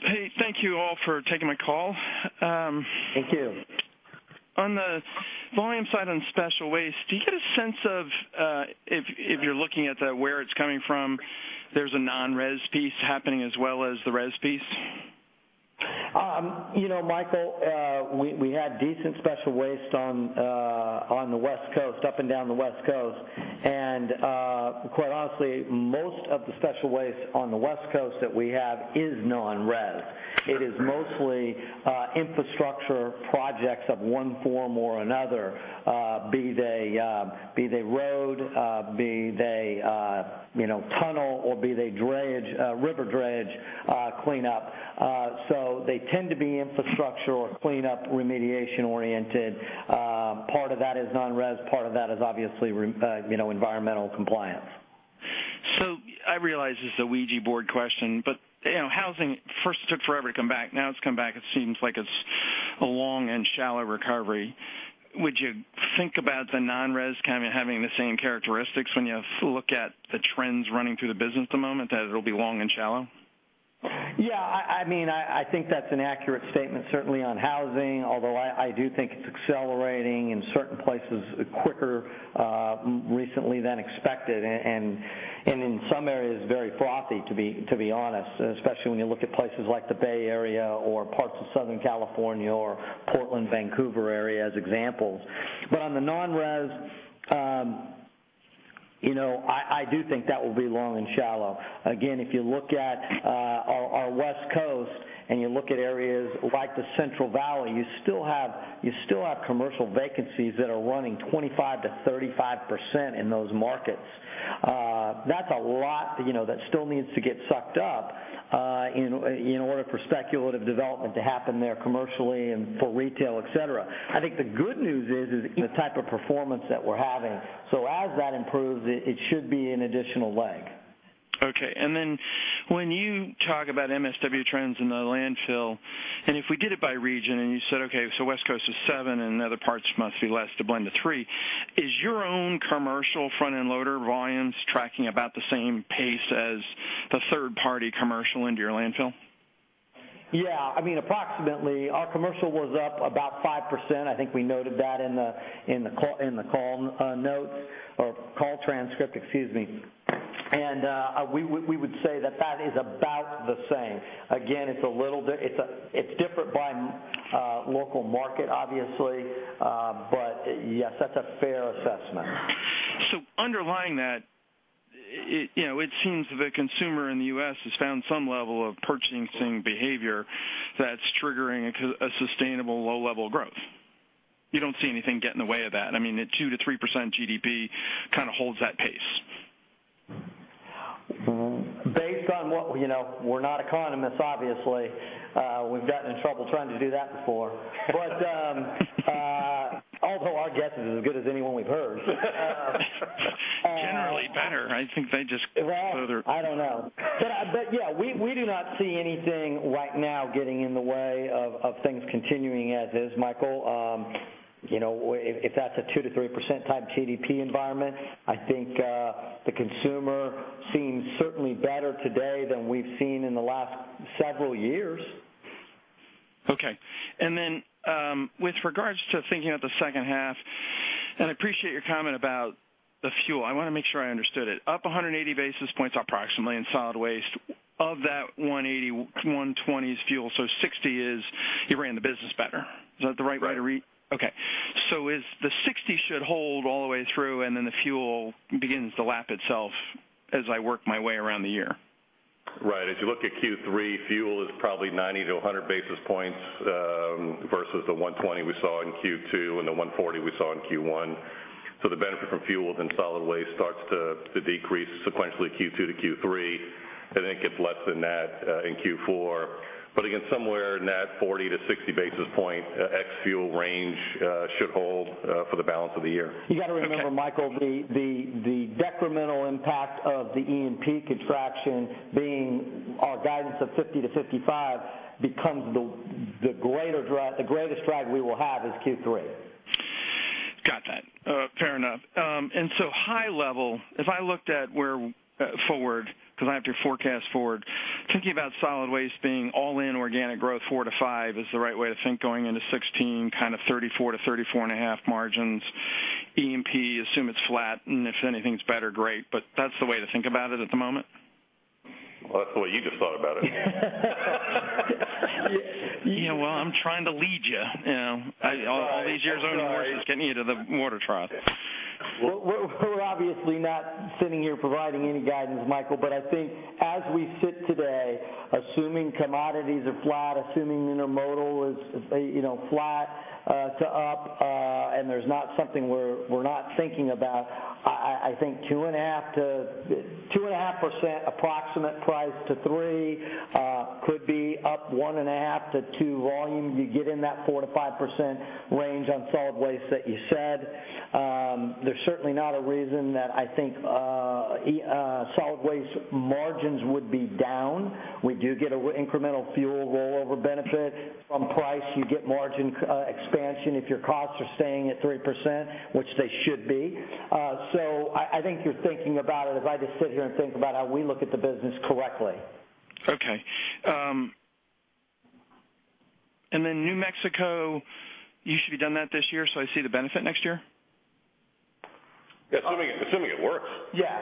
S8: Hey, thank you all for taking my call.
S2: Thank you.
S8: On the volume side on special waste, do you get a sense of, if you're looking at where it's coming from, there's a non-res piece happening as well as the res piece?
S2: Michael, we had decent special waste on the West Coast, up and down the West Coast. Quite honestly, most of the special waste on the West Coast that we have is non-res. It is mostly infrastructure projects of one form or another. Be they road, be they tunnel, or be they river dredge cleanup. They tend to be infrastructure or cleanup remediation-oriented. Part of that is non-res, part of that is obviously environmental compliance.
S8: I realize this is a Ouija board question, housing first took forever to come back. Now it's come back, it seems like it's a long and shallow recovery. Would you think about the non-res having the same characteristics when you look at the trends running through the business at the moment, that it'll be long and shallow?
S2: Yeah. I think that's an accurate statement, certainly on housing, although I do think it's accelerating in certain places quicker recently than expected. In some areas very frothy, to be honest, especially when you look at places like the Bay Area or parts of Southern California or Portland, Vancouver area as examples. On the non-res, I do think that will be long and shallow. Again, if you look at our West Coast and you look at areas like the Central Valley, you still have commercial vacancies that are running 25%-35% in those markets. That's a lot that still needs to get sucked up in order for speculative development to happen there commercially and for retail, et cetera. I think the good news is the type of performance that we're having. As that improves, it should be an additional leg.
S8: Okay. When you talk about MSW trends in the landfill, and if we did it by region, and you said, "Okay, West Coast is 7 and the other parts must be less to blend to 3." Is your own commercial front end loader volumes tracking about the same pace as the third-party commercial into your landfill?
S2: Yeah. Approximately, our commercial was up about 5%. I think we noted that in the call notes or call transcript, excuse me. We would say that that is about the same. Again, it's different by local market obviously. Yes, that's a fair assessment.
S8: Underlying that It seems that the consumer in the U.S. has found some level of purchasing behavior that's triggering a sustainable low-level growth. You don't see anything get in the way of that. I mean, at 2%-3% GDP, kind of holds that pace.
S2: Based on what. We're not economists, obviously. We've gotten in trouble trying to do that before. Although our guess is as good as anyone we've heard.
S8: Generally better.
S2: Well, I don't know. Yeah, we do not see anything right now getting in the way of things continuing as is, Michael. If that's a 2% to 3% type GDP environment, I think the consumer seems certainly better today than we've seen in the last several years.
S8: Okay. With regards to thinking of the second half, I appreciate your comment about the fuel. I want to make sure I understood it. Up 180 basis points approximately in solid waste. Of that 180, 120 is fuel. 60 is, you ran the business better. Is that the right way to read?
S3: Right.
S8: Okay. The 60 should hold all the way through, then the fuel begins to lap itself as I work my way around the year.
S3: Right. If you look at Q3, fuel is probably 90-100 basis points, versus the 120 we saw in Q2 and the 140 we saw in Q1. The benefit from fuel in solid waste starts to decrease sequentially Q2 to Q3. I think it's less than that in Q4. Again, somewhere in that 40-60 basis point ex-fuel range should hold for the balance of the year.
S8: Okay.
S2: You got to remember, Michael, the decremental impact of the E&P contraction being our guidance of 50-55 becomes the greatest drag we will have is Q3.
S8: Got that. Fair enough. High level, if I looked at forward, because I have to forecast forward, thinking about solid waste being all in organic growth, four to five is the right way to think going into 2016, kind of 34 to 34.5 margins. E&P, assume it's flat, and if anything's better, great. But that's the way to think about it at the moment?
S3: Well, that's the way you just thought about it.
S8: Yeah. Well, I'm trying to lead you. All these years owning horses
S2: Sorry
S8: getting you to the water trough.
S2: We're obviously not sitting here providing any guidance, Michael. I think as we sit today, assuming commodities are flat, assuming intermodal is flat to up, and there's not something we're not thinking about, I think 2.5%-3% approximate price, could be up 1.5%-2% volume. You get in that 4%-5% range on solid waste that you said. There's certainly not a reason that I think solid waste margins would be down. We do get incremental fuel rollover benefit from price. You get margin expansion if your costs are staying at 3%, which they should be. I think you're thinking about it, if I just sit here and think about how we look at the business correctly.
S8: Okay. New Mexico, you should be done that this year, so I see the benefit next year?
S3: Yeah, assuming it works.
S2: Yeah.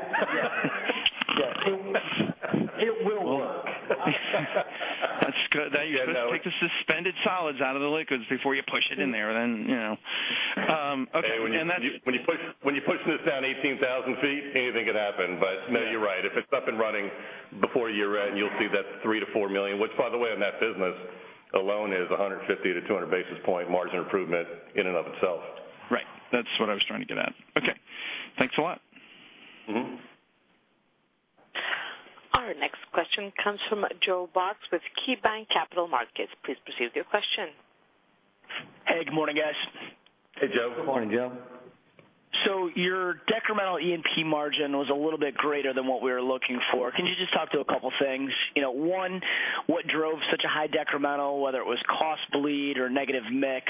S2: It will work.
S8: That's good. You take the suspended solids out of the liquids before you push it in there then.
S3: When you're pushing this down 18,000 feet, anything can happen. No, you're right. If it's up and running before year-end, you'll see that $3 million-$4 million. Which, by the way, on that business alone is 150-200 basis point margin improvement in and of itself.
S8: Right. That's what I was trying to get at. Okay. Thanks a lot.
S1: Our next question comes from Joe Box with KeyBanc Capital Markets. Please proceed with your question.
S9: Hey, good morning, guys.
S3: Hey, Joe.
S2: Good morning, Joe.
S9: Your decremental E&P margin was a little bit greater than what we were looking for. Can you just talk to a couple things? One, what drove such a high decremental, whether it was cost bleed or negative mix?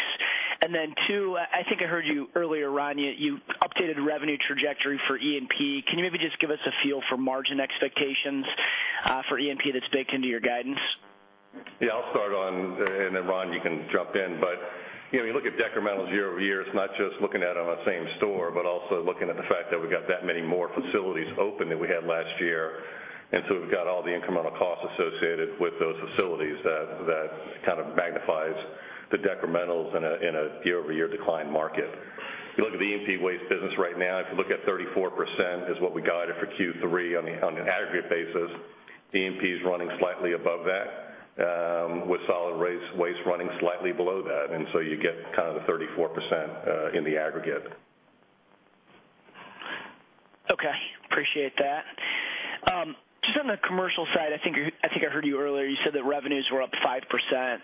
S9: Two, I think I heard you earlier, Ron, you updated revenue trajectory for E&P. Can you maybe just give us a feel for margin expectations for E&P that's baked into your guidance?
S3: I'll start on, Ron, you can jump in. You look at decremental year-over-year, it's not just looking at it on a same store, but also looking at the fact that we've got that many more facilities open than we had last year. We've got all the incremental costs associated with those facilities that kind of magnifies the decrementals in a year-over-year decline market. If you look at the E&P waste business right now, if you look at 34% is what we guided for Q3 on an aggregate basis. E&P is running slightly above that, with solid waste running slightly below that. You get the 34% in the aggregate.
S9: Okay. Appreciate that. Just on the commercial side, I think I heard you earlier, you said that revenues were up 5%.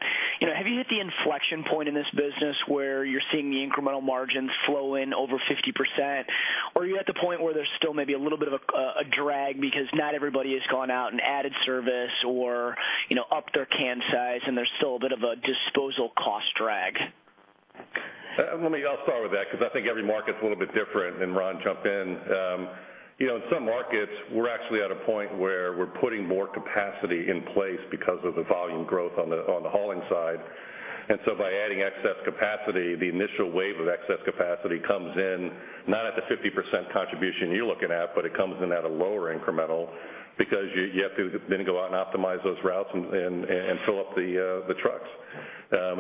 S9: Have you hit the inflection point in this business where you're seeing the incremental margins flow in over 50%? Or are you at the point where there's still maybe a little bit of a drag because not everybody has gone out and added service or upped their can size and there's still a bit of a disposal cost drag?
S3: I'll start with that because I think every market's a little bit different, and Ron, jump in. In some markets, we're actually at a point where we're putting more capacity in place because of the volume growth on the hauling side. By adding excess capacity, the initial wave of excess capacity comes in not at the 50% contribution you're looking at, but it comes in at a lower incremental because you have to then go out and optimize those routes and fill up the trucks.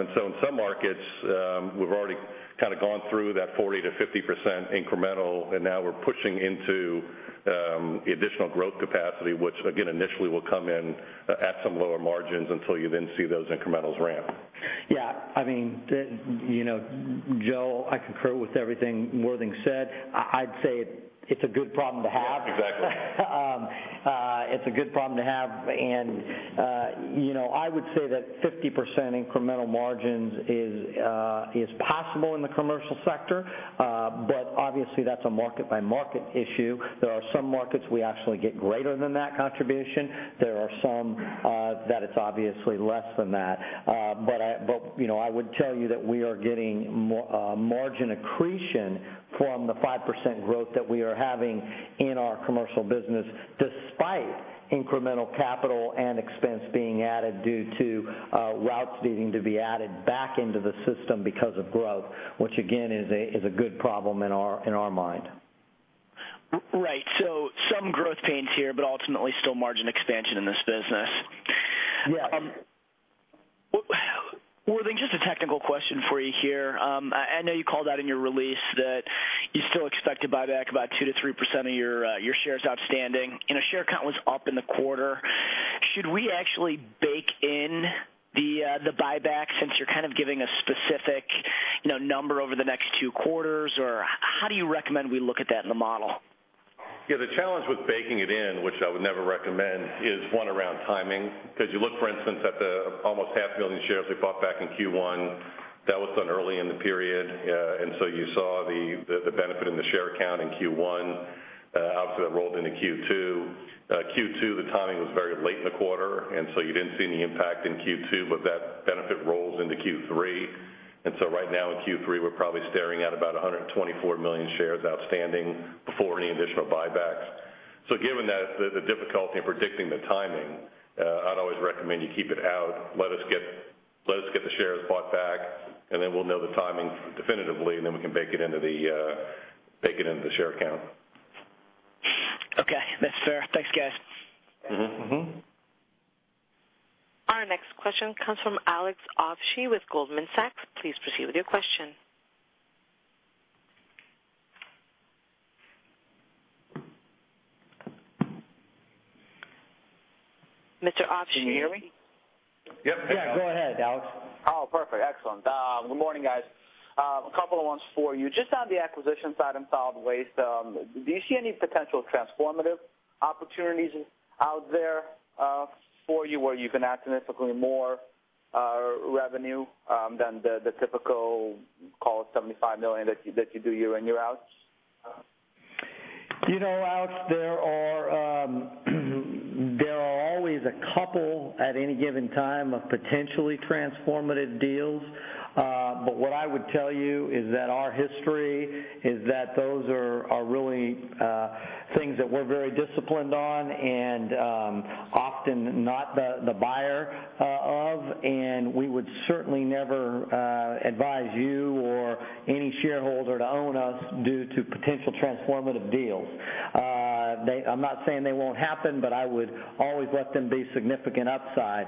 S3: In some markets, we've already gone through that 40%-50% incremental, and now we're pushing into the additional growth capacity, which again, initially will come in at some lower margins until you then see those incrementals ramp.
S2: Yeah. Joe, I concur with everything Worthing said. I'd say it's a good problem to have.
S3: Yeah, exactly.
S2: It's a good problem to have. I would say that 50% incremental margins is possible in the commercial sector. Obviously, that's a market-by-market issue. There are some markets we actually get greater than that contribution. There are some that it's obviously less than that. I would tell you that we are getting margin accretion from the 5% growth that we are having in our commercial business, despite incremental capital and expense being added due to routes needing to be added back into the system because of growth, which again, is a good problem in our mind.
S9: Right. Some growth pains here, ultimately still margin expansion in this business.
S2: Yeah.
S9: Worthing, just a technical question for you here. I know you called out in your release that you still expect to buy back about 2%-3% of your shares outstanding. Your share count was up in the quarter. Should we actually bake in the buyback since you're giving a specific number over the next two quarters, how do you recommend we look at that in the model?
S3: The challenge with baking it in, which I would never recommend, is one around timing. You look, for instance, at the almost half million shares we bought back in Q1. That was done early in the period, you saw the benefit in the share count in Q1. Obviously, that rolled into Q2. Q2, the timing was very late in the quarter, you didn't see any impact in Q2, that benefit rolls into Q3. Right now in Q3, we're probably staring at about 124 million shares outstanding before any additional buybacks. Given the difficulty in predicting the timing, I'd always recommend you keep it out, let us get the shares bought back, then we'll know the timing definitively, then we can bake it into the share count.
S9: Okay. That's fair. Thanks, guys.
S1: Our next question comes from Alex Ovshey with Goldman Sachs. Please proceed with your question. Mr. Ovshey, can you hear me?
S3: Yep.
S2: Yeah, go ahead, Alex.
S10: Oh, perfect. Excellent. Good morning, guys. A couple of ones for you. Just on the acquisition side in Solid Waste, do you see any potential transformative opportunities out there for you where you can add significantly more revenue than the typical, call it $75 million that you do year in, year out?
S2: Alex, there are always a couple at any given time of potentially transformative deals. What I would tell you is that our history is that those are really things that we're very disciplined on and often not the buyer of, and we would certainly never advise you or any shareholder to own us due to potential transformative deals. I'm not saying they won't happen, but I would always let them be significant upside.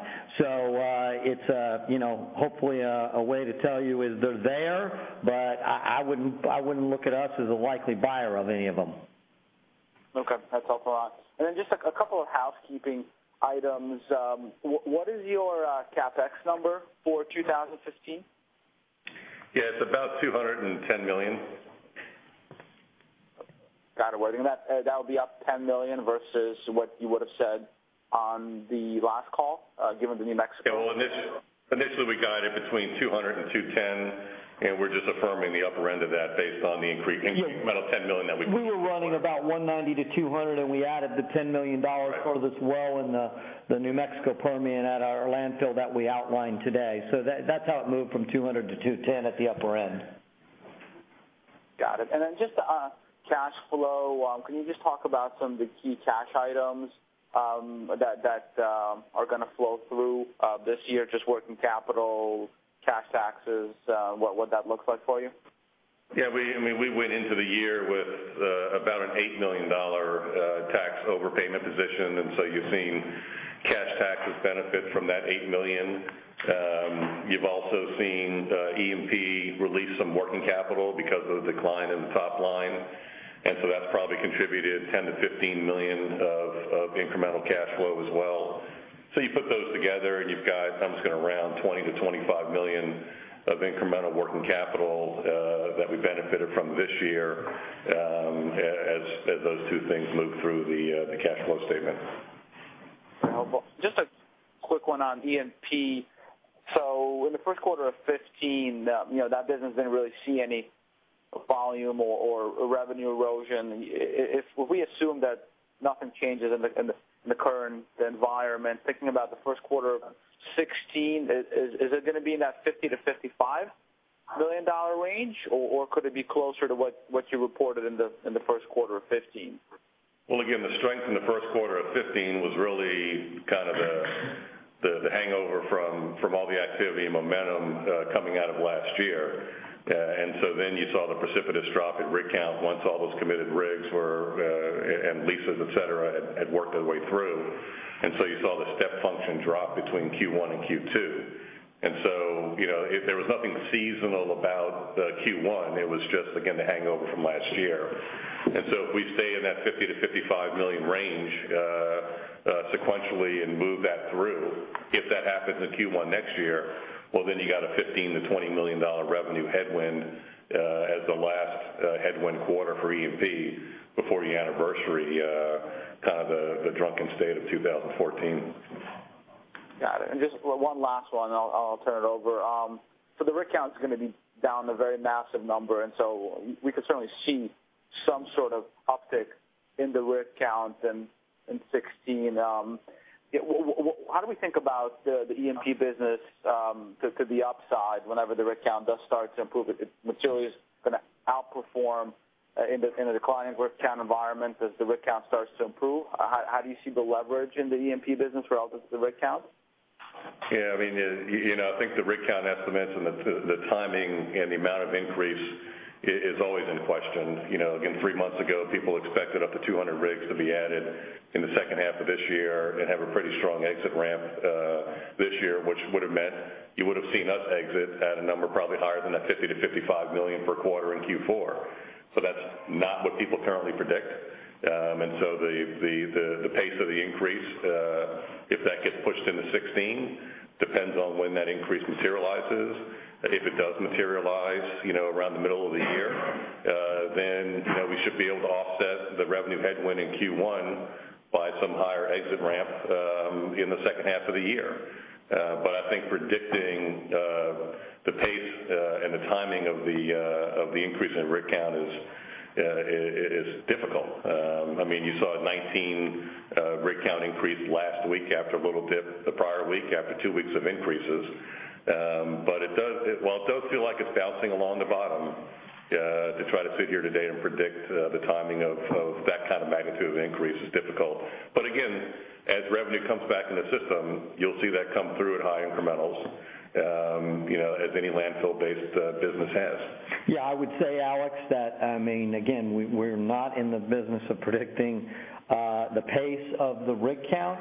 S2: Hopefully a way to tell you is they're there, but I wouldn't look at us as a likely buyer of any of them.
S10: Okay. That's helpful, Alex. Then just a couple of housekeeping items. What is your CapEx number for 2015?
S3: Yeah, it's about $210 million.
S10: Got it. Worthing, that would be up $10 million versus what you would have said on the last call given the New Mexico-
S3: Initially we guided between $200 million and $210 million, we're just affirming the upper end of that based on the incremental $10 million that we
S2: We were running about $190 million to $200 million, we added the $10 million
S3: Right
S2: for this well in the New Mexico Permian at our landfill that we outlined today. That's how it moved from $200 million to $210 million at the upper end.
S10: Got it. Just cash flow, can you just talk about some of the key cash items that are going to flow through this year, just working capital, cash taxes, what that looks like for you?
S3: We went into the year with about an $8 million tax overpayment position, and you've seen cash taxes benefit from that $8 million. You've also seen E&P release some working capital because of the decline in the top line. That's probably contributed $10 million-$15 million of incremental cash flow as well. You put those together and you've got, I'm just going to round, $20 million-$25 million of incremental working capital that we benefited from this year as those two things move through the cash flow statement.
S10: Helpful. Just a quick one on E&P. In the first quarter of 2015, that business didn't really see any volume or revenue erosion. If we assume that nothing changes in the current environment, thinking about the first quarter of 2016, is it going to be in that $50 million-$55 million range, or could it be closer to what you reported in the first quarter of 2015?
S3: Again, the strength in the first quarter of 2015 was really the hangover from all the activity and momentum coming out of last year. Then you saw the precipitous drop in rig count once all those committed rigs and leases, et cetera, had worked their way through. You saw the step function drop between Q1 and Q2. There was nothing seasonal about the Q1. It was just, again, the hangover from last year. If we stay in that $50 million-$55 million range sequentially and move that through, if that happens in Q1 next year, you got a $15 million-$20 million revenue headwind as the last headwind quarter for E&P before you anniversary the drunken state of 2014.
S10: Got it. Just one last one, and I'll turn it over. The rig count's going to be down a very massive number, we could certainly see some sort of uptick in the rig count in 2016. How do we think about the E&P business to the upside whenever the rig count does start to improve? If material's going to outperform in a declining rig count environment as the rig count starts to improve, how do you see the leverage in the E&P business relative to the rig count?
S3: I think the rig count estimates and the timing and the amount of increase is always in question. Again, 3 months ago, people expected up to 200 rigs to be added in the second half of this year and have a pretty strong exit ramp this year, which would've meant you would've seen us exit at a number probably higher than that $50 million-$55 million per quarter in Q4. That's not what people currently predict. The pace of the increase, if that gets pushed into 2016, depends on when that increase materializes. If it does materialize around the middle of the year, then we should be able to offset the revenue headwind in Q1 by some higher exit ramp in the second half of the year. I think predicting the pace and the timing of the increase in rig count is difficult. You saw a 19 rig count increase last week after a little dip the prior week after two weeks of increases. While it does feel like it's bouncing along the bottom, to try to sit here today and predict the timing of that kind of magnitude of increase is difficult. Again, as revenue comes back in the system, you'll see that come through at high incrementals, as any landfill-based business has.
S2: I would say, Alex, that again, we're not in the business of predicting the pace of the rig count.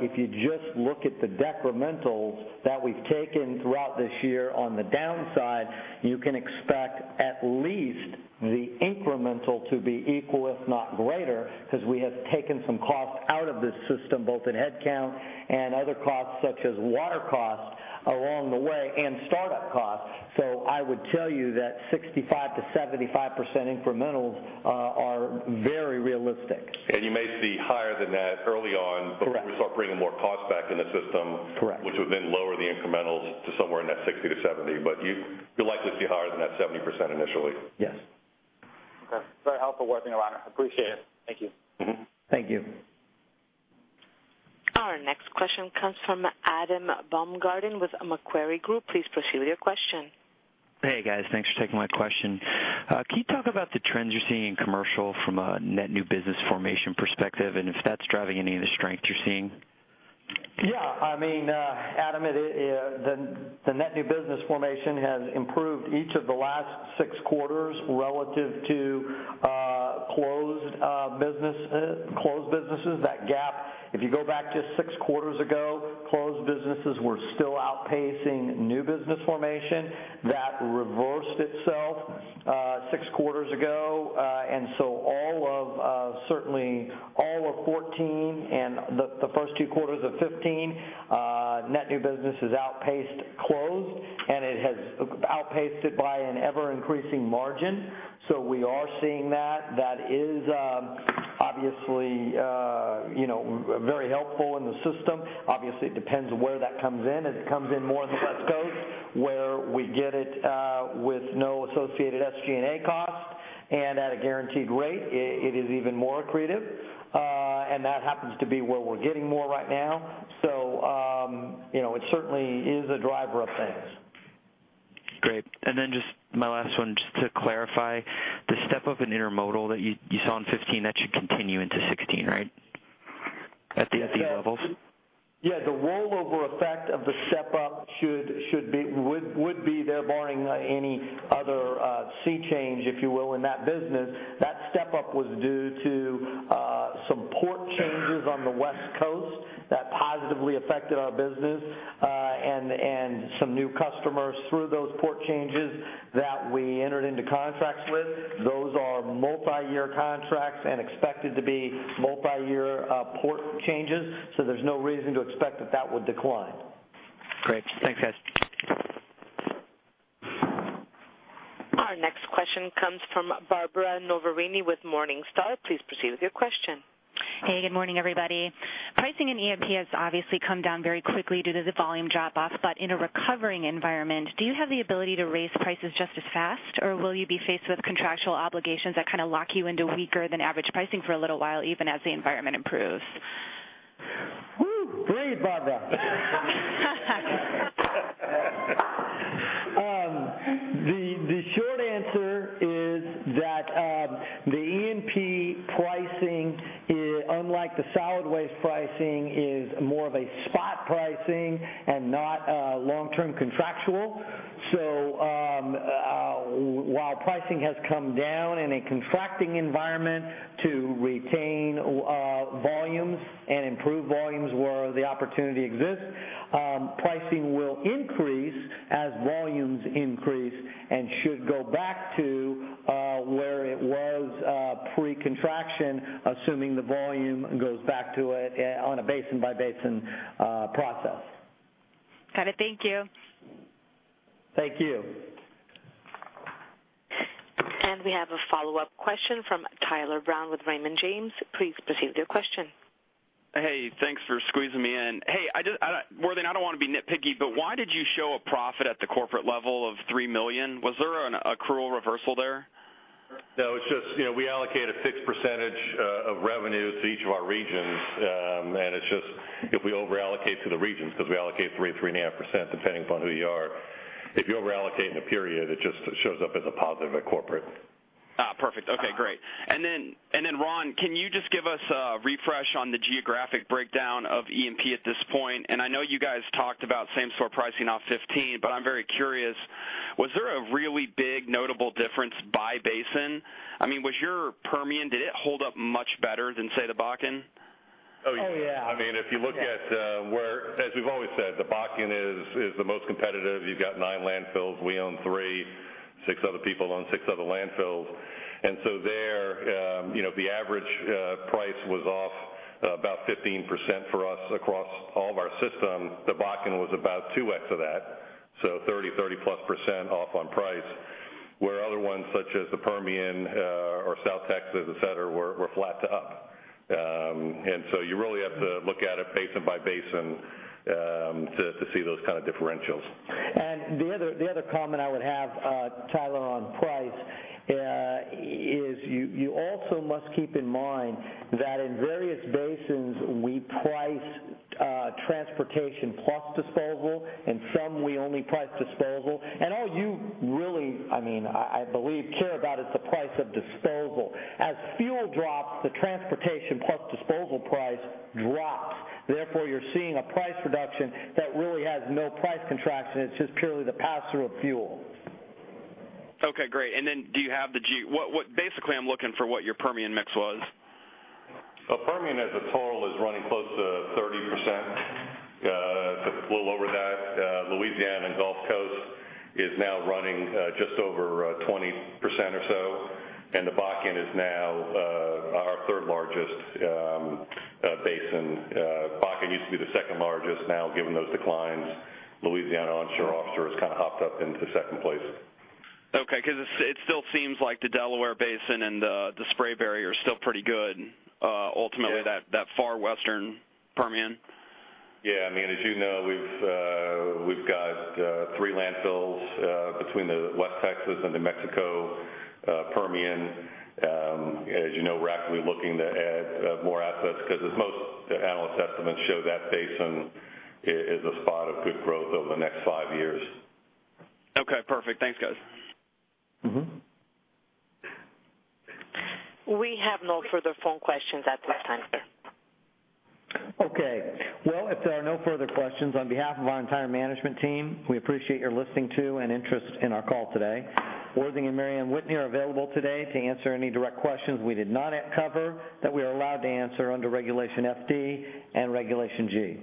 S2: If you just look at the decrementals that we've taken throughout this year, on the downside, you can expect at least the incremental to be equal, if not greater, because we have taken some costs out of this system, both in head count and other costs such as water costs along the way, and startup costs. I would tell you that 65%-75% incrementals are very realistic.
S3: You may see higher than that early on.
S2: Correct
S3: before we start bringing more costs back in the system.
S2: Correct
S3: which would then lower the incrementals to somewhere in that 60%-70%. You'll likely see higher than that 70% initially.
S2: Yes.
S10: Okay. Very helpful. Worth the reminder. Appreciate it. Thank you.
S2: Mm-hmm. Thank you.
S1: Our next question comes from Adam Baumgarten with Macquarie Group. Please proceed with your question.
S11: Hey, guys. Thanks for taking my question. Can you talk about the trends you're seeing in commercial from a net new business formation perspective, and if that's driving any of the strength you're seeing?
S2: Yeah. Adam, the net new business formation has improved each of the last six quarters relative to closed businesses. That gap, if you go back just six quarters ago, closed businesses were still outpacing new business formation. That reversed itself six quarters ago. Certainly all of 2014 and the first two quarters of 2015, net new businesses outpaced closed, and it has outpaced it by an ever-increasing margin. We are seeing that. That is obviously very helpful in the system. Obviously, it depends on where that comes in. If it comes in more on the West Coast where we get it with no associated SG&A costs and at a guaranteed rate, it is even more accretive. That happens to be where we're getting more right now. It certainly is a driver of things.
S11: Great. Just my last one, just to clarify, the step up in Intermodal that you saw in 2015, that should continue into 2016, right? At the E&P levels?
S2: The rollover effect of the step up would be there barring any other sea change, if you will, in that business. That step up was due to some port changes on the West Coast that positively affected our business, and some new customers through those port changes that we entered into contracts with. Those are multi-year contracts and expected to be multi-year port changes, so there's no reason to expect that that would decline.
S11: Great. Thanks, guys.
S1: Our next question comes from Barbara Noverini with Morningstar. Please proceed with your question.
S12: Good morning, everybody. Pricing in E&P has obviously come down very quickly due to the volume drop-off. In a recovering environment, do you have the ability to raise prices just as fast, or will you be faced with contractual obligations that lock you into weaker than average pricing for a little while, even as the environment improves?
S2: Woo. Brave, Barbara. The short answer is that the E&P pricing, unlike the solid waste pricing, is more of a spot pricing and not long-term contractual. While pricing has come down in a contracting environment to retain volumes and improve volumes where the opportunity exists, pricing will increase as volumes increase and should go back to where it was pre-contraction, assuming the volume goes back to it on a basin-by-basin process.
S12: Got it. Thank you.
S2: Thank you.
S1: We have a follow-up question from Tyler Brown with Raymond James. Please proceed with your question.
S4: Hey, thanks for squeezing me in. Hey, Worthing, I don't want to be nitpicky. Why did you show a profit at the corporate level of $3 million? Was there an accrual reversal there?
S3: No, it's just we allocate a fixed percentage of revenues to each of our regions. It's just if we over-allocate to the regions, because we allocate 3%-3.5%, depending upon who you are. If you over-allocate in a period, it just shows up as a positive at corporate.
S4: Perfect. Okay, great. Ron, can you just give us a refresh on the geographic breakdown of E&P at this point? I know you guys talked about same-store pricing off 15%. I'm very curious, was there a really big notable difference by basin? I mean, was your Permian, did it hold up much better than, say, the Bakken?
S2: Yeah.
S3: I mean, if you look at where As we've always said, the Bakken is the most competitive. You've got nine landfills. We own three. Six other people own six other landfills. There, the average price was off about 15% for us across all of our system. The Bakken was about 2x of that, so 30%, 30-plus% off on price, where other ones such as the Permian or South Texas, et cetera, were flat to up. You really have to look at it basin by basin to see those kind of differentials.
S2: The other comment I would have, Tyler, on price, is you also must keep in mind that in various basins, we price transportation plus disposal, and some we only price disposal. All you really, I believe, care about is the price of disposal. As fuel drops, the transportation plus disposal price drops. Therefore, you're seeing a price reduction that really has no price contraction. It's just purely the pass-through of fuel.
S4: Okay, great. Basically, I'm looking for what your Permian mix was.
S3: Permian as a total is running close to 30%, a little over that. Louisiana and Gulf Coast is now running just over 20% or so. The Bakken is now our third-largest basin. Bakken used to be the second-largest. Now, given those declines, Louisiana onshore, offshore has kind of hopped up into second place.
S4: Okay, it still seems like the Delaware Basin and the Spraberry are still pretty good, ultimately that far western Permian.
S3: Yeah. I mean, as you know, we've got three landfills between the West Texas and New Mexico Permian. As you know, we're actively looking to add more assets because as most analyst estimates show that basin is a spot of good growth over the next five years.
S4: Okay, perfect. Thanks, guys.
S1: We have no further phone questions at this time.
S2: Okay. Well, if there are no further questions, on behalf of our entire management team, we appreciate your listening to and interest in our call today. Worthing and Mary Anne Whitney are available today to answer any direct questions we did not cover that we are allowed to answer under Regulation FD and Regulation G.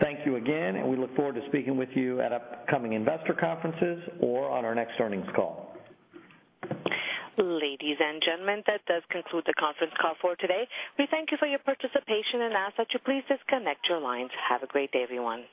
S2: Thank you again. We look forward to speaking with you at upcoming investor conferences or on our next earnings call.
S1: Ladies and gentlemen, that does conclude the conference call for today. We thank you for your participation and ask that you please disconnect your lines. Have a great day, everyone.